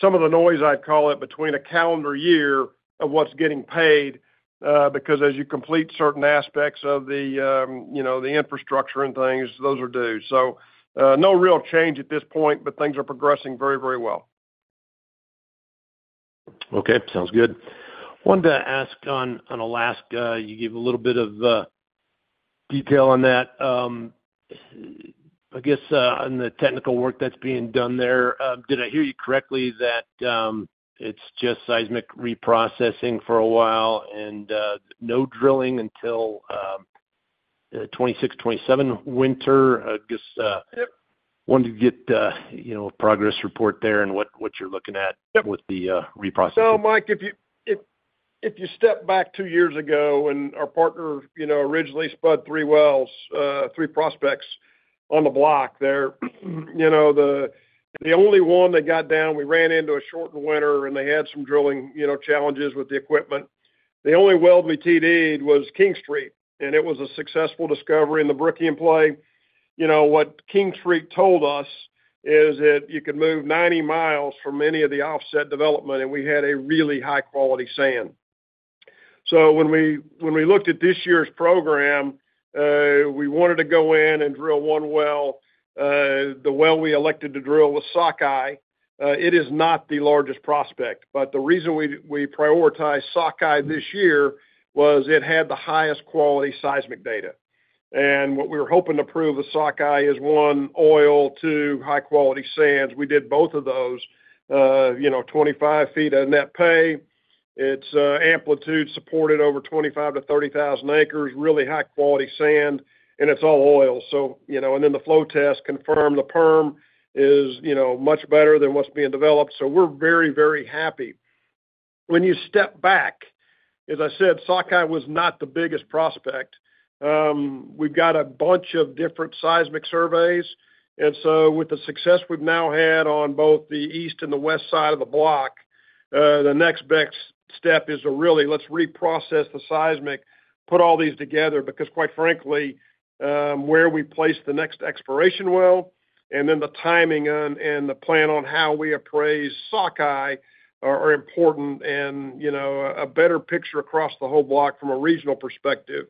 some of the noise, I'd call it, between a calendar year of what's getting paid because as you complete certain aspects of the infrastructure and things, those are due. No real change at this point, but things are progressing very, very well. Okay, sounds good. Wanted to ask, on Alaska, you gave a little bit of detail on that. I guess on the technical work that's being done there, did I hear you correctly that it's just seismic reprocessing for a while? No drilling until. 2026, 2027 winter. Just wanted to get, you know, a progress report there and what you're looking at with the reprocess. If you step back two years ago and our partner originally spud three wells, three prospects on the block there, the only one that got down, we ran into a shortened winter and they had some drilling challenges with the equipment. The only well we TD'd was King Street and it was a successful discovery in the Brooklyn play. What King Street told us is that you could move 90 mi from any of the offset development and we had a really high quality sand. When we looked at this year's program, we wanted to go in and drill one well. The well we elected to drill was Sockeye. It is not the largest prospect, but the reason we prioritized Sockeye this year was it had the highest quality seismic data. What we were hoping to prove with Sockeye is one, oil, two, high quality sands. We did both of those. 25 ft of net pay, it's amplitude supported over 25,000 acres-30,000 acres. Really high quality sand and it's all oil. The flow test confirmed the formation is much better than what's being developed. We're very, very happy. If you step back, as I said, Sockeye was not the biggest prospect. We've got a bunch of different seismic surveys. With the success we've now had on both the east and the west side of the block, the next best step is to really reprocess the seismic, put all these together because quite frankly, where we place the next exploration well and then the timing and the plan on how we appraise Sockeye are important. A better picture across the whole block from a regional perspective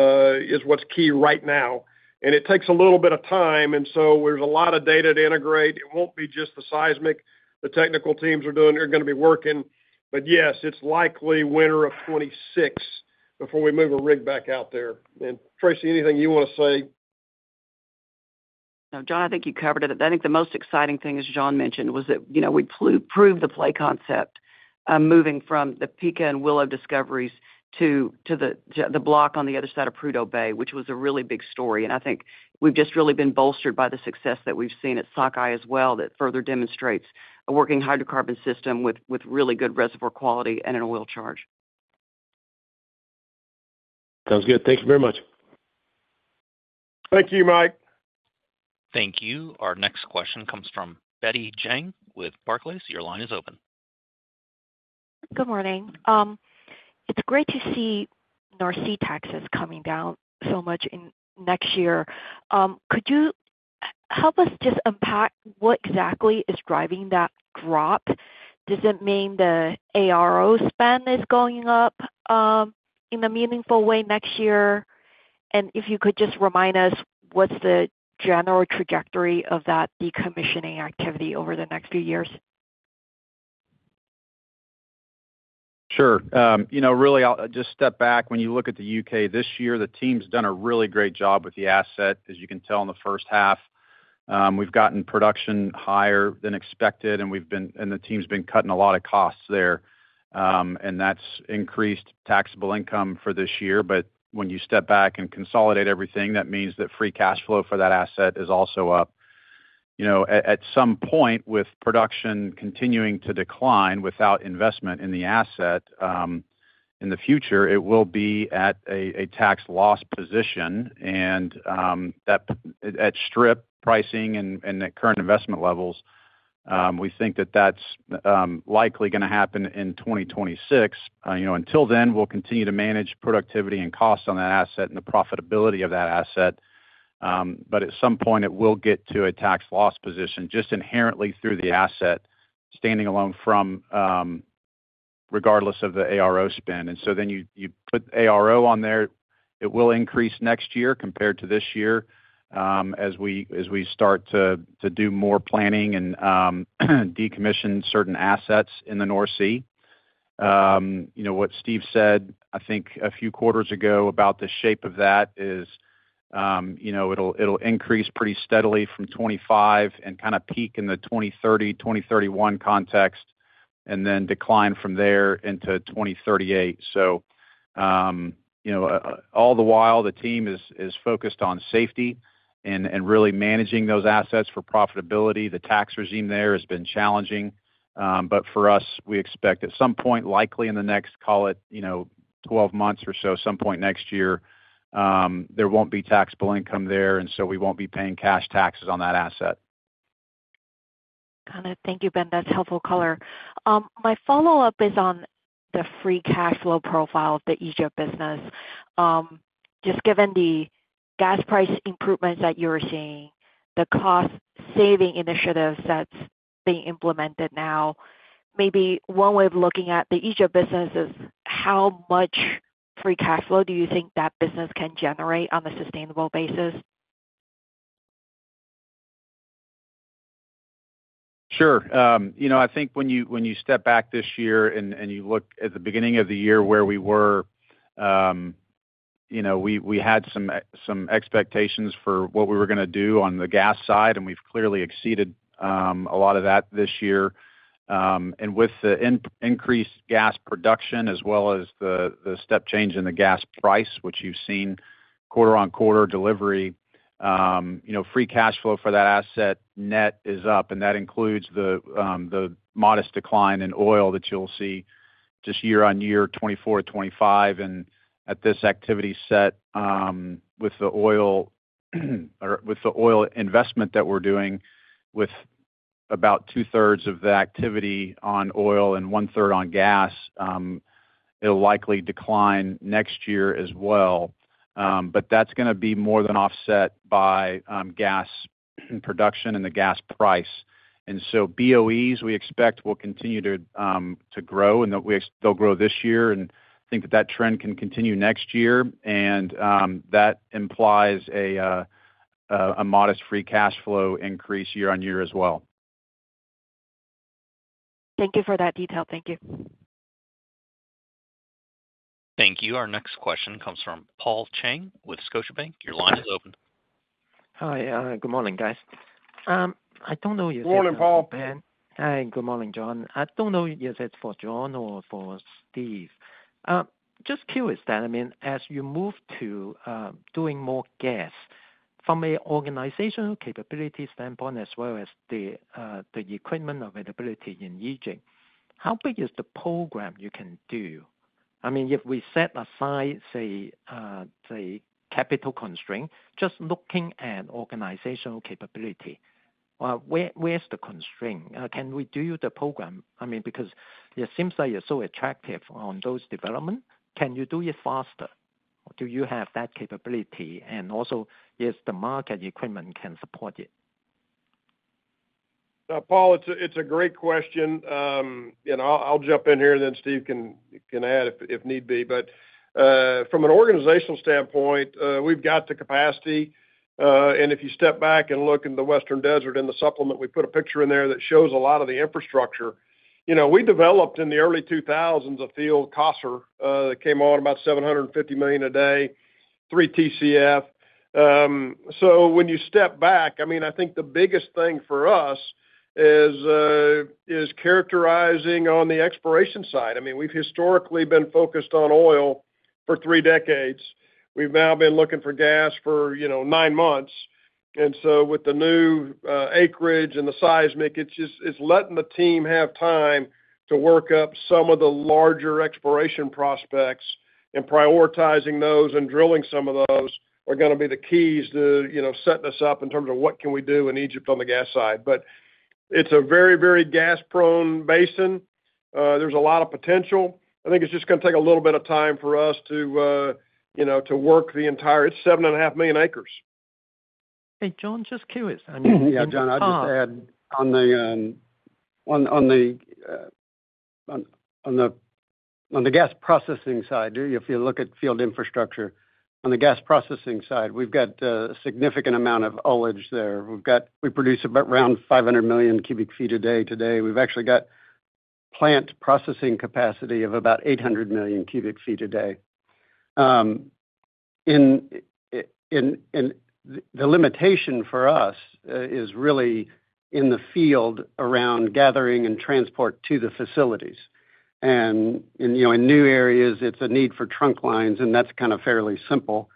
is what's key right now. It takes a little bit of time and there's a lot of data to integrate. It won't be just the seismic the technical teams are doing. They're going to be working, but yes, it's likely winter of 2026 before we move a rig back out there. Tracey, anything you want to say? I think you covered it. I think the most exciting thing, as John mentioned, was that we proved the play concept moving from the Pica and Willow discoveries to the block on the other side of Prudhoe Bay, which was a really big story. I think we've just really been bolstered by the success that we've seen at Sockeye as well. That further demonstrates a working hydrocarbon system with really good reservoir quality and an oil charge. Sounds good. Thank you very much. Thank you, Mike. Thank you. Our next question comes from Betty Jiang with Barclays Bank PLC. Your line is open. Good morning. It's great to see North Sea taxes coming down so much in next year. Could you help us just unpack what exactly is driving that drop? Does it mean the ARO spend is going up in a meaningful way next year? If you could just remind us what's the general trajectory of that decommissioning activity over the next few years? Sure. You know, really, I'll just step back. When you look at the U.K. this year, the team's done a really great job with the asset. As you can tell, in the first half we've gotten production higher than expected and we've been, and the team's been cutting a lot of costs there and that's increased taxable income for this year. When you step back and consolidate everything, that means that free cash flow for that asset is also up. At some point, with production continuing to decline without investment in the asset in the future, it will be at a tax loss position and that at strip pricing and at current investment levels. We think that that's likely going to happen in 2026. Until then, we'll continue to manage productivity and cost on that asset and the profitability of that asset. At some point it will get to a tax loss position just inherently through the asset standing alone regardless of the ARO spend. You put ARO on there, it will increase next year compared to this year as we start to do more planning and decommission certain assets in the North Sea. What Steve said I think a few quarters ago about the shape of that is it'll increase pretty steadily from 2025 and kind of peak in the 2030, 2031 context and then decline from there into 2038. All the while the team is focused on safety and really managing those assets for profitability. The tax regime there has been challenging, but for us, we expect at some point, likely in the next, call it, 12 months or so, some point next year there won't be taxable income there and so we won't be paying cash taxes on that asset. Thank you, Ben. That's helpful. My follow up is on the free cash flow profile of the Egypt business. Just given the gas price improvements that you're seeing, the cost saving initiatives that's being implemented now, maybe one way of looking at the Egypt business is how much free cash flow do you think that business can generate on a sustainable basis? Sure. I think when you step back this year and you look at the beginning of the year. Where we were. We had some expectations for what we were going to do on the gas side and we've clearly exceeded a lot of that this year. With the increased gas production as well as the step change in the gas price, which you've seen quarter on quarter, delivery, free cash flow for that asset net is up and that includes the modest decline in oil that you'll see just year on year 2024, 2025. At this activity set with the oil or with the oil investment that we're doing with about two thirds of the activity on oil and one third on gas, it'll likely decline next year as well. That is going to be more than offset by gas production and the gas price. BOEs we expect will continue to grow and they'll grow this year and think that that trend can continue next year and that implies a modest free cash flow increase year on year as well. Thank you for that detail. Thank you. Thank you. Our next question comes from Paul Cheng with Scotiabank Global Banking and Markets. Your line is open. Hi, good morning, guys. Good morning Paul. Good morning, John. I don't know if it's for John or for Steve. Just curious that, I mean, as you move to doing more gas, from an organizational capability standpoint as well as the equipment availability in I Ching, how big is the program you can do? I mean, if we set aside, say, capital constraint, just looking at organizational capability, where's the constraint? Can we do the program? I mean, because it seems that you're so attractive on those development, can you do it faster? Do you have that capability? Also, if the market equipment can support it. Paul, it's a great question and I'll jump in here, then Steve can add if need be. From an organizational standpoint, we've got the capacity. If you step back and look in the Western Desert in the supplement, we put a picture in there that shows a lot of the infrastructure we developed in the early 2000s. A field crosser that came on about 750 million a day, 3 TCF. When you step back, I think the biggest thing for us is characterizing on the exploration side. We've historically been focused on oil for three decades. We've now been looking for gas for, you know, nine months. With the new acreage and the seismic, it's just letting the team have time to work up some of the larger exploration prospects and prioritizing those and drilling. Some of those are going to be the keys to setting us up in terms of what can we do in Egypt on the gas side. It's a very, very gas-prone basin. There's a lot of potential. I think it's just going to take a little bit of time for us to work the entire, it's 7.5 million acres. Hey John, just curious. Yeah, John, on the gas processing side, if you look at field infrastructure on the gas processing side, we've got a significant amount of ullage there. We produce about 500 MMcfpd today. We've actually got plant processing capacity of about 800 MMcfpd. The limitation for us is really in the field around gathering and transport to the facilities and in new areas it's a need for trunk lines and that's kind of fairly simple.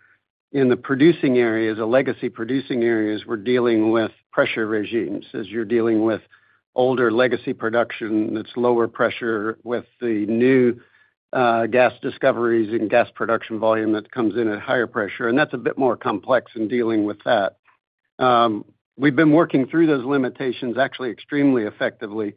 In the producing areas, legacy producing areas, we're dealing with pressure regimes as you're dealing with older legacy production that's lower pressure with the new gas discoveries and gas production volume that comes in at higher pressure and that's a bit more complex in dealing with that. We've been working through those limitations actually extremely effectively.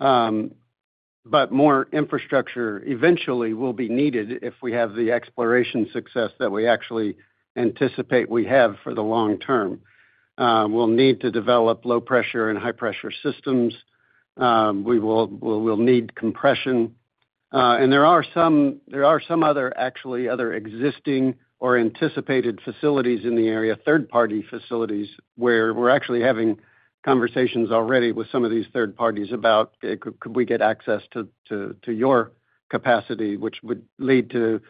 More infrastructure eventually will be needed. If we have the exploration success that we actually anticipate we have for the long term, we'll need to develop low pressure and high pressure systems, we will need compression and there are some other actually other existing or anticipated facilities in the area, third party facilities where we're actually having conversations already with some of these third parties about could we get access to your capacity, which would lead to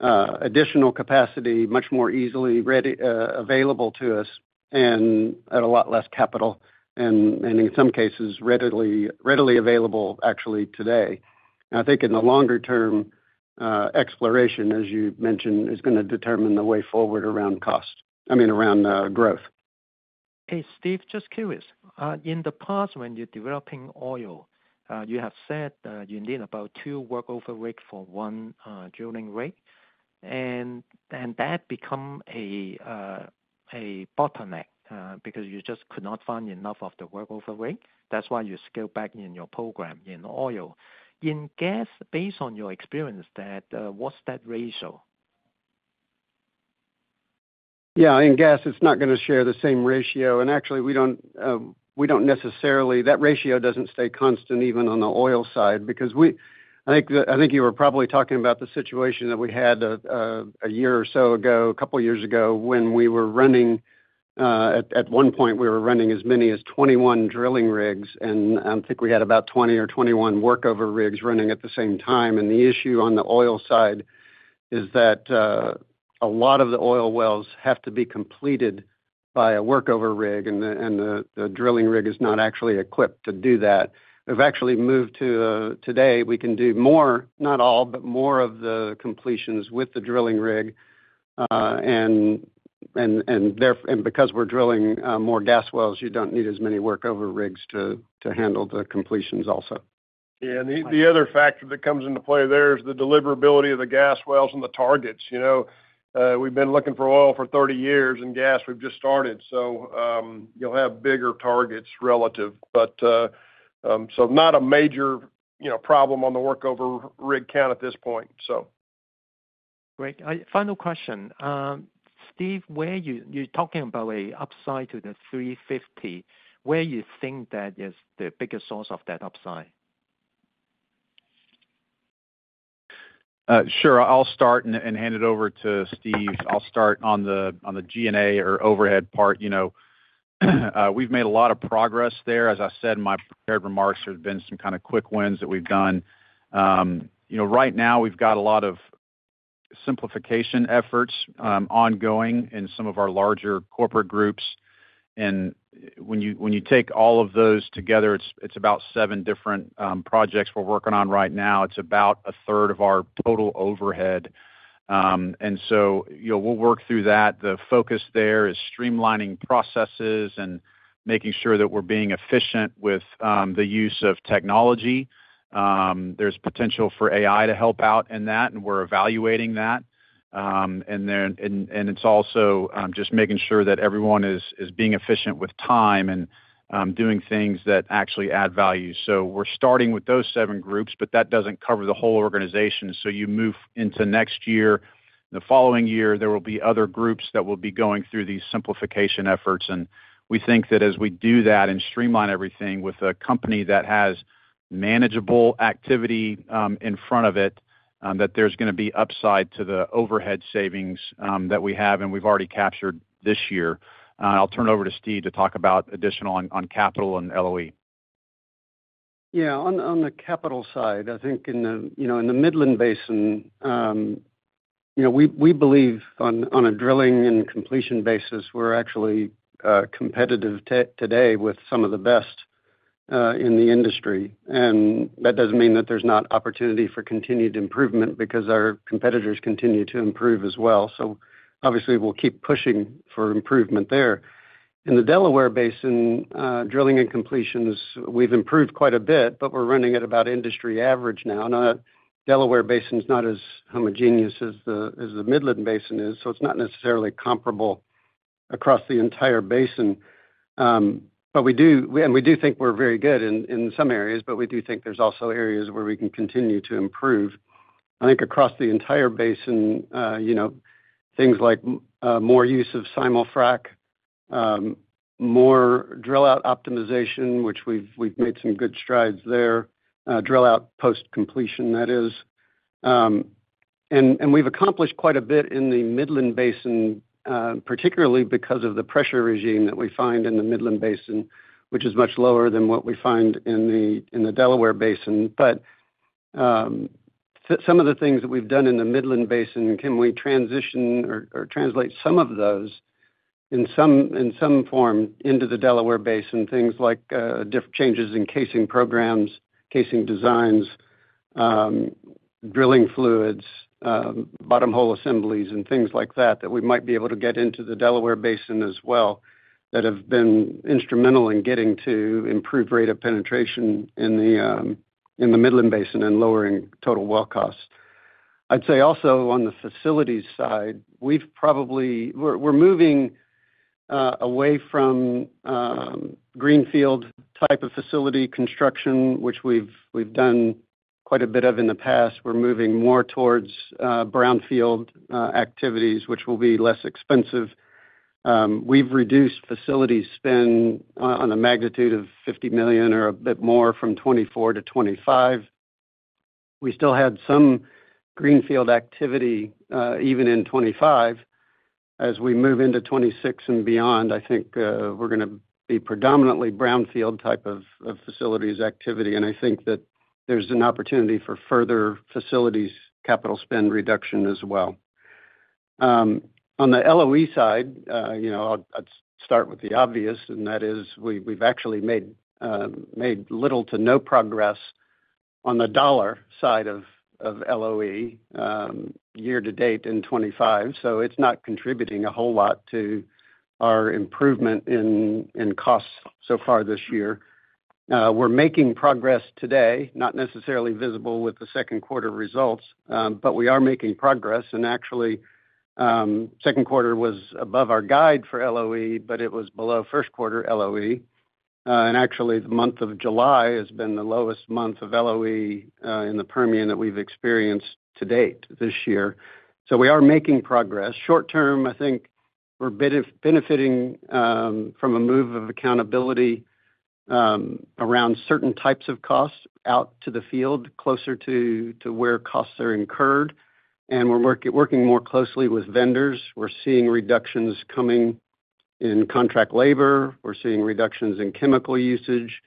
additional capacity much more easily available to us and at a lot less capital and in some cases readily available. Actually today I think in the longer term exploration, as you mentioned, is going to determine the way forward around cost, I mean around growth. Hey Steve, just curious. In the past when you're developing oil, you have said you need about two workover rigs for one drilling rig, and that becomes a bottleneck because you just could not find enough of the workover rigs. That's why you scale back in your program in oil, in gas. Based on your experience, what's that rate? Yeah, and gas, it's not going to share the same ratio. Actually, we don't necessarily. That ratio doesn't stay constant even on the oil side because I think you were probably talking about the situation that we had a year or so ago, a couple years ago when we were running at one point as many as 21 drilling rigs, and I think we had about 20 or 21 workover rigs running at the same time. The issue on the oil side is that a lot of the oil wells have to be completed by a workover rig, and the drilling rig is not actually equipped to do that. We've actually moved to today we can do more, not all, but more of the completions with the drilling rig. Because we're drilling more gas wells, you don't need as many workover rigs to handle the completions also. Yeah, the other factor that comes into play there is the deliverability of the gas wells and the targets. You know, we've been looking for oil for 30 years and gas we've just started. You'll have bigger targets relative, but not a major problem on the workover rig count at this point. So great. Final question, Steve, where you're talking about an upside to the 350, where you think that is the biggest source of that upside. Sure. I'll start and hand it over to Steve. I'll start on the G&A or overhead part. We've made a lot of progress there. As I said in my prepared remarks, there's been some kind of quick wins that we've done. Right now we've got a lot of simplification efforts ongoing in some of our larger corporate groups. When you take all of those together, it's about seven different projects we're working on right now. It's about a third of our total overhead, and we'll work through that. The focus there is streamlining processes and making sure that we're being efficient with the use of technology. There's potential for AI to help out in that, and we're evaluating that. It's also just making sure that everyone is being efficient with time and doing things that actually add value. We're starting with those seven groups, but that doesn't cover the whole organization. As you move into next year, the following year there will be other groups that will be going through these simplification efforts. We think that as we do that and streamline everything with a company that has manageable activity in front of it, there's going to be upside to the overhead savings that we have and we've already captured this year. I'll turn over to Steve to talk about additional on capital and LOE. Yeah, on the capital side, I think in the Midland Basin, we believe on a drilling and completion basis we're actually competitive today with some of the best in the industry. That doesn't mean that there's not opportunity for continued improvement because our competitors continue to improve as well. Obviously, we'll keep pushing for improvement there. In the Delaware Basin, drilling and completions, we've improved quite a bit, but we're running at about industry average now. The Delaware Basin is not as homogeneous as the Midland Basin is. It's not necessarily comparable across the entire basin. We do think we're very good in some areas. We do think there's also areas where we can continue to improve, I think across the entire basin. Things like more use of simulfrac, more drill out optimization, which we've made some good strides there. Drill out post completion, that is. We've accomplished quite a bit in the Midland Basin, particularly because of the pressure regime that we find in the Midland Basin, which is much lower than what we find in the Delaware Basin. Some of the things that we've done in the Midland Basin, can we transition or translate some of those in some form into the Delaware Basin? Things like changes in casing programs, casing designs, drilling fluids, bottom hole assemblies and things like that that we might be able to get into the Delaware Basin as well, that have been instrumental in getting to improved rate of penetration in the Midland Basin and lowering total well costs. I'd say also on the facilities side, we're probably moving away from greenfield type of facility construction, which we've done quite a bit of in the past. We're moving more towards brownfield activities, which will be less expensive. We've reduced facilities spend on a magnitude of $50 million or a bit more from 2024 to 2025. We still had some greenfield activity even in 2025. As we move into 2026 and beyond, I think we're going to be predominantly brownfield type of facilities activity, and I think that there's an opportunity for further facilities capital spend reduction as well. On the LOE side, start with the obvious, and that is we've actually made little to no progress on the dollar side of LOE year to date in 2025. It's not contributing a whole lot to our improvement in costs so far this year. We're making progress today. Not necessarily visible with the second quarter results, but we are making progress. Actually, second quarter was above our guide for LOE, but it was below first quarter LOE, and the month of July has been the lowest month of LOE in the Permian that we've experienced to date this year. We are making progress short term. I think we're benefiting from a move of accountability around certain types of cost out to the field closer to where costs are incurred. We're working more closely with vendors. We're seeing reductions coming in contract labor, we're seeing reductions in chemical usage.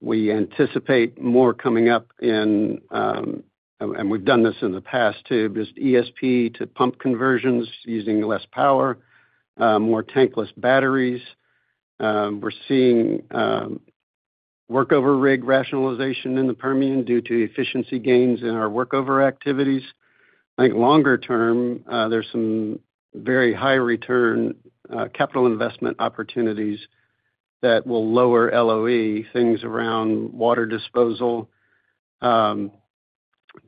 We anticipate more coming up, and we've done this in the past too, just ESP to pump conversions using less power, more tankless batteries. We're seeing workover rig rationalization in the Permian due to efficiency gains in our workover activities. I think longer term there's some very high return capital investment opportunities that will lower LOE, things around water disposal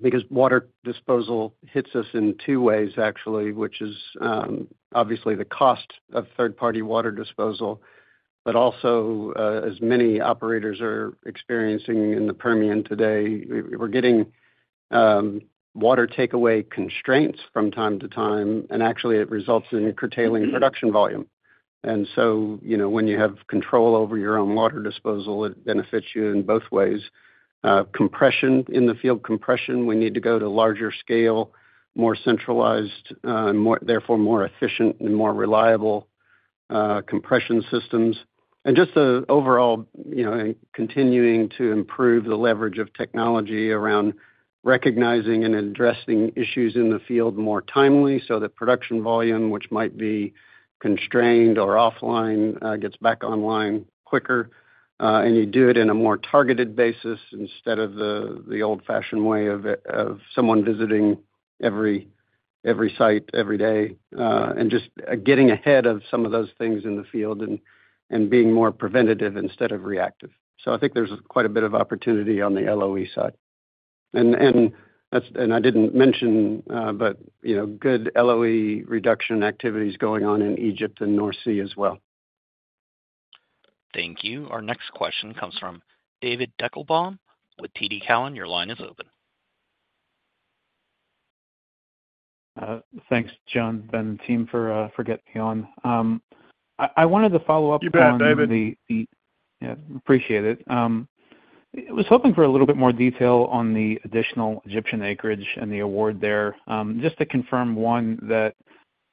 because water disposal hits us in two ways, which is obviously the cost of third party water disposal, but also as many operators are experiencing in the Permian today, we're getting water takeaway constraints from time to time and it results in curtailing production volume. When you have control over your own water disposal, it benefits you in both ways. Compression in the field, compression, we need to go to larger scale, more centralized, therefore more efficient and more reliable compression systems. The overall, continuing to improve the leverage of technology around recognizing and addressing issues in the field more timely so that production volume, which might be constrained or offline, gets back online quicker and you do it in a more targeted basis instead of the old fashioned way of someone visiting every site every day and just getting ahead of some of those things in the field and being more preventative instead of reactive. I think there's quite a bit of opportunity on the LOE side, and I didn't mention, but good LOE reduction activities going on in Egypt and North Sea as well. Thank you. Our next question comes from David Adam Deckelbaum with TD Cowen. Your line is open. Thanks, John, and team for getting me on. I wanted to follow up on the, You got it David. Yeah, appreciate it. I was hoping for a little bit more detail on the additional Egyptian acreage and the award there. Just to confirm, one, that,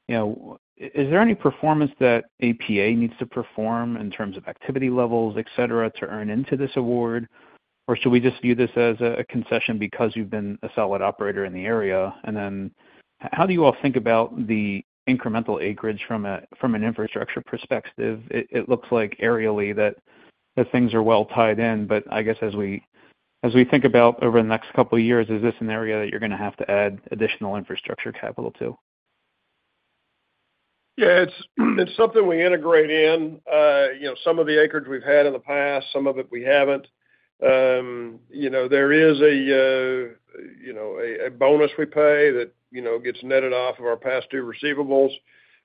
you know, is there any performance that APA needs to perform in terms of activity levels, etc., to earn into this award, or should we just view this as a concession because you've been a solid operator in the area? How do you all think about the incremental acreage from an infrastructure perspective? It looks like aerially that things are well tied in, but I guess as we think about over the next couple of years, is this an area that you're going to have to add additional infrastructure capital to? Yeah, it's something we integrate in some of the acreage we've had in the past, some of it we haven't. There is a bonus we pay that gets netted off of our past due receivables,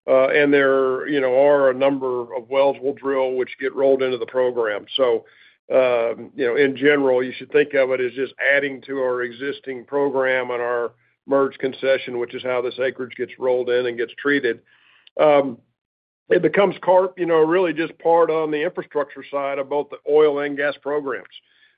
and there are a number of wells we'll drill which get rolled into the program. In general, you should think of it as just adding to our existing program and our merged concession, which is how this acreage gets rolled. It gets treated. It becomes part, you know, really just part on the infrastructure side of both the oil and gas programs.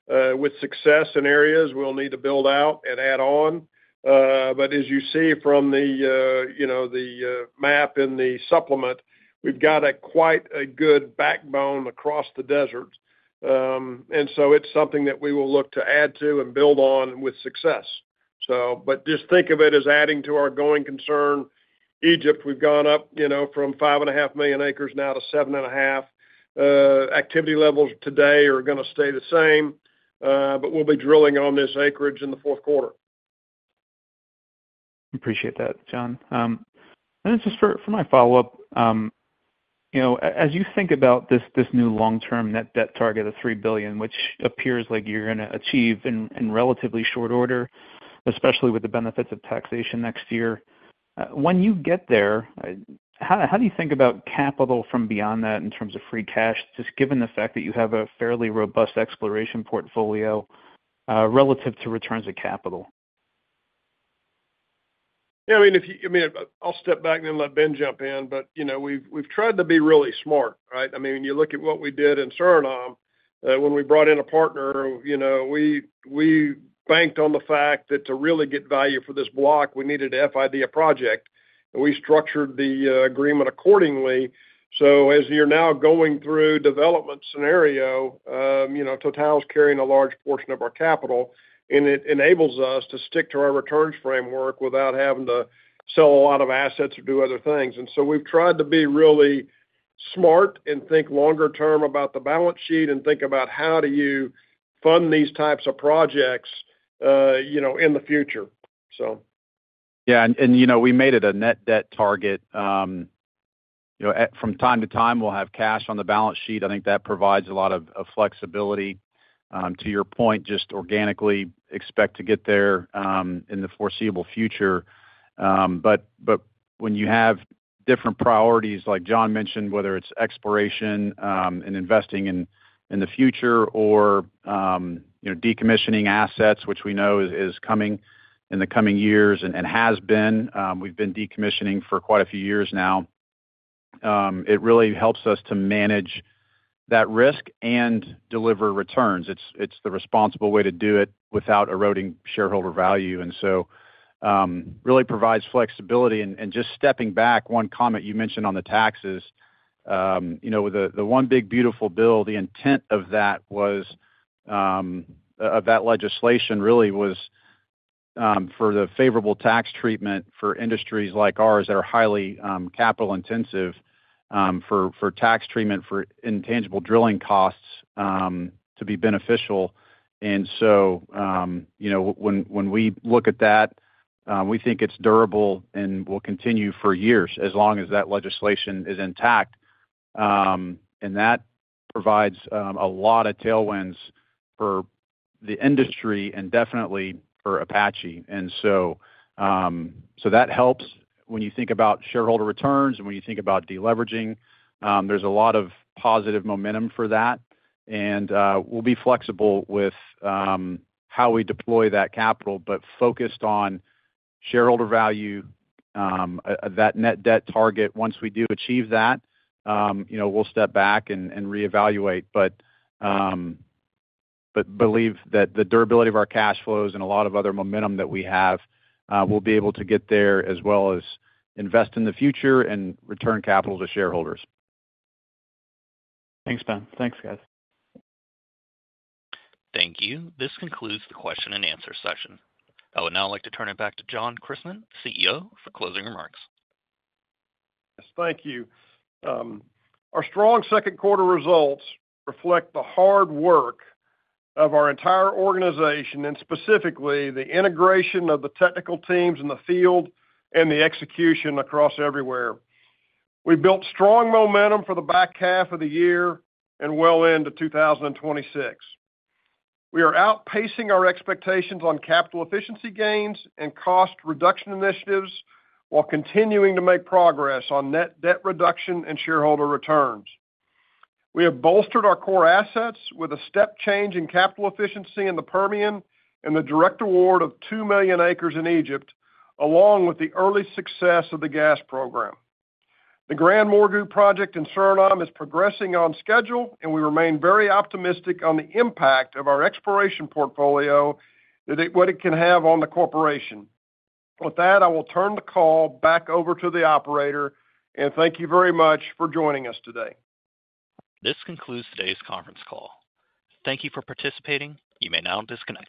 With success in areas, we'll need to build out and add on. As you see from the map in the supplement, we've got quite a good backbone across the Western Desert, and it's something that we will look to add to and build on with success. Just think of it as adding to our going concern. Egypt, we've gone up, you know, from 5.5 million acres now to 7.5 million acres. Activity levels today are going to stay the same, but we'll be drilling on this acreage in the fourth quarter. Appreciate that, John. Just for my follow up, as you think about this new long-term net debt target of $3 billion, which appears like you're going to achieve in relatively short order, especially with the benefits of taxation next year when you get there, how do you think about capital from beyond that in terms of free cash just given the fact that you have a fairly robust exploration portfolio relative to returns of capital? Yeah, I mean, I'll step back and then let Ben jump in, but you know, we've tried to be really smart. Right? I mean, when you look at what we did in Suriname when we brought in a partner, you know, we banked on the fact that to really get value for this block, we needed to FID a project. We structured the agreement accordingly. As you're now going through development scenario, TotalEnergies is carrying a large portion of our capital and it enables us to stick to our returns framework without having to sell a lot of assets or do other things. We've tried to be really smart and think longer term about the balance sheet and think about how do you fund these types of projects in the future. Yeah, we made it a net debt target. From time to time we'll have cash on the balance sheet. I think that provides a lot of flexibility. To your point, just organically expect to get there in the foreseeable future. When you have different priorities, like John mentioned, whether it's exploration and investing in the future or decommissioning assets, which we know is coming in the coming years and has been, we've been decommissioning for quite a few years now, it really helps us to manage that risk and deliver returns. It's the responsible way to do it without eroding shareholder value. That really provides flexibility. Just stepping back, one comment you mentioned on the taxes, with the one big beautiful bill, the intent of that was, of that legislation, really was for the favorable tax treatment for industries like ours that are highly capital intensive, for tax treatment for intangible drilling costs to be beneficial. When we look at that, we think it's durable and will continue for years as long as that legislation is intact. That provides a lot of tailwinds for the industry and definitely for APA Corporation. That helps when you think about shareholder returns and when you think about deleveraging. There's a lot of positive momentum for that and we'll be flexible with how we deploy that capital but focused on shareholder value, that net debt target. Once we do achieve that, we'll step back and reevaluate. We believe that the durability of our cash flows and a lot of other momentum that we have, we'll be able to get there as well as invest in the future and return capital to shareholders. Thanks, Ben. Thanks guys. Thank you. This concludes the question-and-answer session. I would now like to turn it back to John J. Christmann IV, CEO, for closing remarks. Thank you. Our strong second quarter results reflect the hard work of our entire organization and specifically the integration of the technical teams in the field and the execution across everywhere. We built strong momentum for the back half of the year and well into 2026. We are outpacing our expectations on capital efficiency gains and cost reduction initiatives while continuing to make progress on net debt reduction and shareholder returns. We have bolstered our core assets with a step change in capital efficiency in the Permian and the direct award of 2 million acres in Egypt, along with the early success of the gas program. The GranMorgu project in Suriname is progressing on schedule, and we remain very optimistic on the impact of our exploration portfolio, what it can have on the corporation. With that, I will turn the call back over to the operator, and thank you very much for joining us today. This concludes today's conference call. Thank you for participating. You may now disconnect.